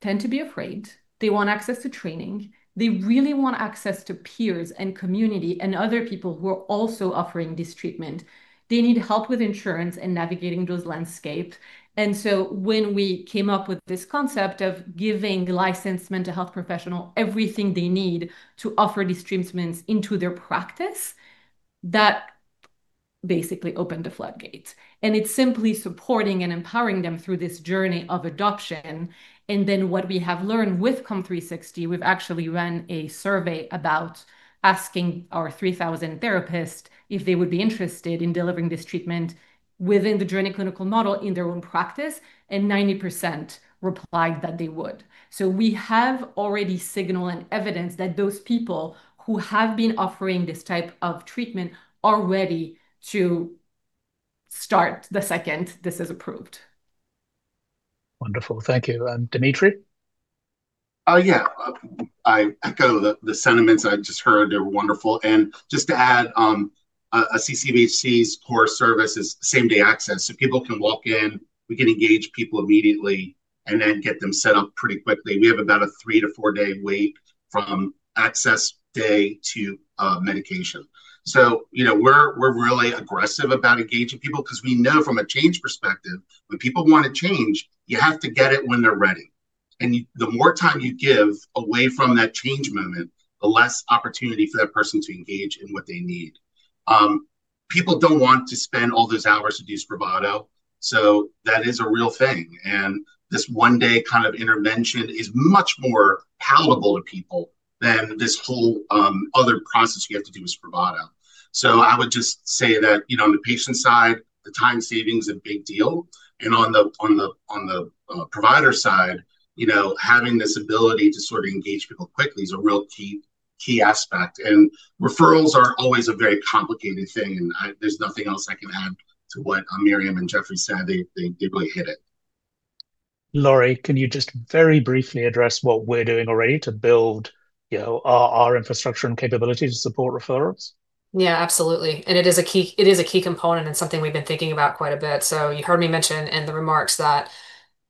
tend to be afraid. They want access to training. They really want access to peers and community and other people who are also offering this treatment. They need help with insurance and navigating those landscapes. And so when we came up with this concept of giving licensed mental health professionals everything they need to offer these treatments into their practice, that basically opened the floodgates. And it's simply supporting and empowering them through this journey of adoption. And then what we have learned with COMP360, we've actually run a survey about asking our 3,000 therapists if they would be interested in delivering this treatment within the Journey Clinical model in their own practice, and 90% replied that they would. So we have already signal and evidence that those people who have been offering this type of treatment are ready to start the second this is approved. Wonderful. Thank you. And Dimitri? Yeah. I echo the sentiments I just heard. They're wonderful, and just to add, a CCBHC's core service is same-day access. So people can walk in. We can engage people immediately and then get them set up pretty quickly. We have about a three- to four-day wait from access day to medication. So we're really aggressive about engaging people because we know from a change perspective, when people want to change, you have to get it when they're ready. And the more time you give away from that change moment, the less opportunity for that person to engage in what they need. People don't want to spend all those hours to do Spravato. So that is a real thing, and this one-day kind of intervention is much more palatable to people than this whole other process you have to do with Spravato. So I would just say that on the patient side, the time saving is a big deal. And on the provider side, having this ability to sort of engage people quickly is a real key aspect. And referrals are always a very complicated thing. And there's nothing else I can add to what Myriam and Geoffrey said. They really hit it. Lori, can you just very briefly address what we're doing already to build our infrastructure and capability to support referrals? Yeah, absolutely. And it is a key component and something we've been thinking about quite a bit. So you heard me mention in the remarks that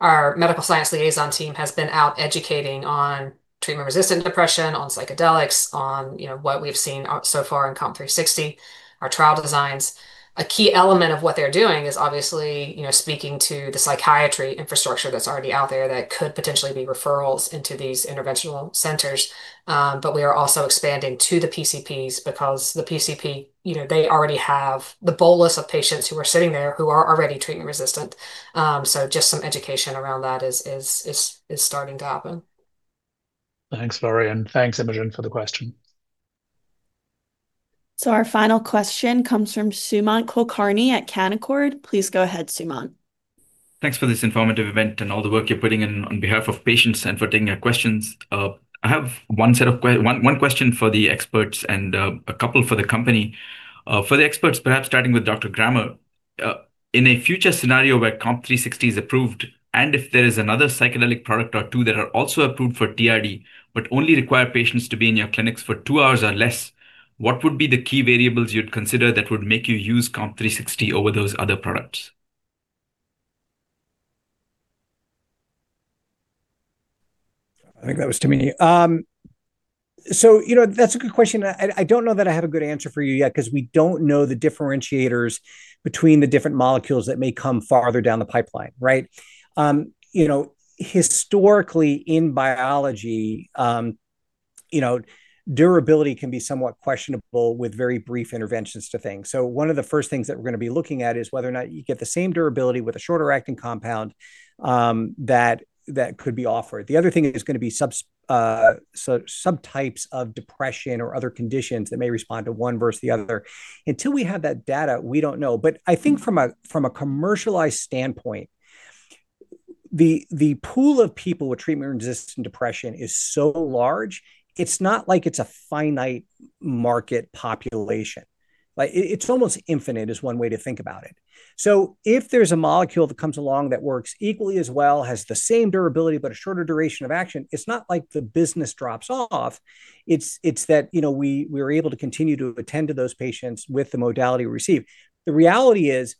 our medical science liaison team has been out educating on treatment-resistant depression, on psychedelics, on what we've seen so far in COMP360, our trial designs. A key element of what they're doing is obviously speaking to the psychiatry infrastructure that's already out there that could potentially be referrals into these interventional centers. But we are also expanding to the PCPs because the PCP, they already have the bolus of patients who are sitting there who are already treatment-resistant. So just some education around that is starting to happen. Thanks, Lori. And thanks, Imogen, for the question. So our final question comes from Sumant Kulkarni at Canaccord. Please go ahead, Sumant. Thanks for this informative event and all the work you're putting in on behalf of patients and for taking our questions. I have one set of one question for the experts and a couple for the company. For the experts, perhaps starting with Dr. Grammer, in a future scenario where COMP360 is approved and if there is another psychedelic product or two that are also approved for PTSD, but only require patients to be in your clinics for two hours or less, what would be the key variables you'd consider that would make you use COMP360 over those other products? I think that was too many. So that's a good question. I don't know that I have a good answer for you yet because we don't know the differentiators between the different molecules that may come farther down the pipeline, right? Historically, in biology, durability can be somewhat questionable with very brief interventions to things. So one of the first things that we're going to be looking at is whether or not you get the same durability with a shorter-acting compound that could be offered. The other thing is going to be subtypes of depression or other conditions that may respond to one versus the other. Until we have that data, we don't know. But I think from a commercialized standpoint, the pool of people with treatment-resistant depression is so large, it's not like it's a finite market population. It's almost infinite is one way to think about it. So if there's a molecule that comes along that works equally as well, has the same durability, but a shorter duration of action, it's not like the business drops off. It's that we are able to continue to attend to those patients with the modality we receive. The reality is,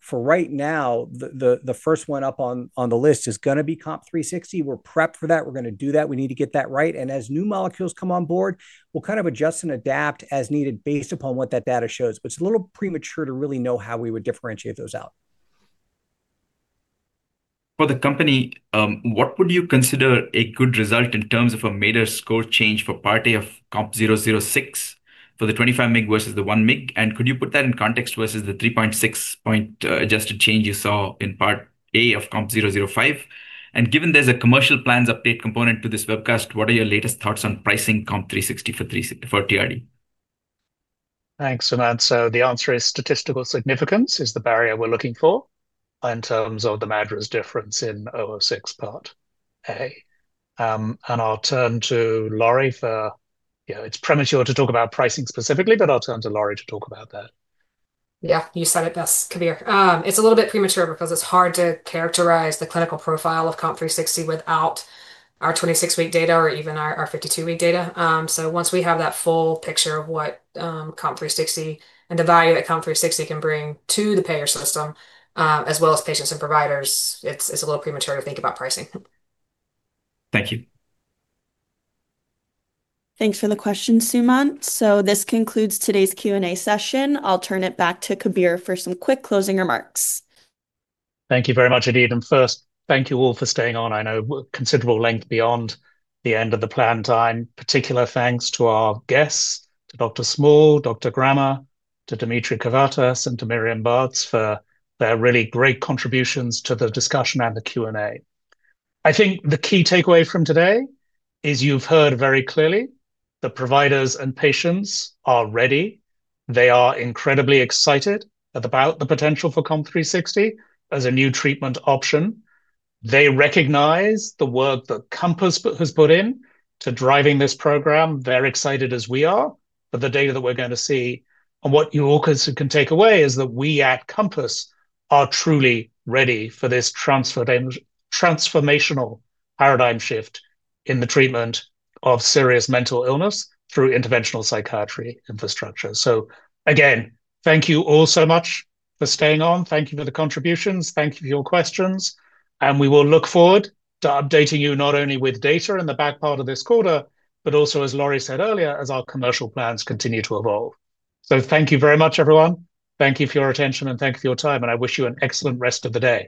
for right now, the first one up on the list is going to be COMP360. We're prepped for that. We're going to do that. We need to get that right, and as new molecules come on board, we'll kind of adjust and adapt as needed based upon what that data shows, but it's a little premature to really know how we would differentiate those out. For the company, what would you consider a good result in terms of a MADRS change for Part A of COMP006 for the 25 mg versus the 1 mg? And could you put that in context versus the 3.6-point adjusted change you saw in Part A of COMP005? And given there's a commercial plans update component to this webcast, what are your latest thoughts on pricing COMP360 for TRD? Thanks, Sumant. So the answer is statistical significance is the barrier we're looking for in terms of the MADRS difference in 006 Part A. And I'll turn to Lori for it's premature to talk about pricing specifically, but I'll turn to Lori to talk about that. Yeah, you said it best, Kabir. It's a little bit premature because it's hard to characterize the clinical profile of COMP360 without our 26-week data or even our 52-week data. So once we have that full picture of what COMP360 and the value that COMP360 can bring to the payer system, as well as patients and providers, it's a little premature to think about pricing. Thank you. Thanks for the question, Sumant. So this concludes today's Q&A session. I'll turn it back to Kabir for some quick closing remarks. Thank you very much. And first, thank you all for staying on. I know a considerable length beyond the end of the planned time. Particular thanks to our guests, to Dr. Small, Dr. Grammer, to Dimitri Cavathas, and to Myriam Barthes for their really great contributions to the discussion and the Q&A. I think the key takeaway from today is you've heard very clearly the providers and patients are ready. They are incredibly excited about the potential for COMP360 as a new treatment option. They recognize the work that Compass has put in to driving this program, they're excited as we are. But the data that we're going to see and what you all can take away is that we at Compass are truly ready for this transformational paradigm shift in the treatment of serious mental illness through interventional psychiatry infrastructure. So again, thank you all so much for staying on. Thank you for the contributions. Thank you for your questions. And we will look forward to updating you not only with data in the back part of this quarter, but also, as Lori said earlier, as our commercial plans continue to evolve. So thank you very much, everyone. Thank you for your attention, and thank you for your time. And I wish you an excellent rest of the day.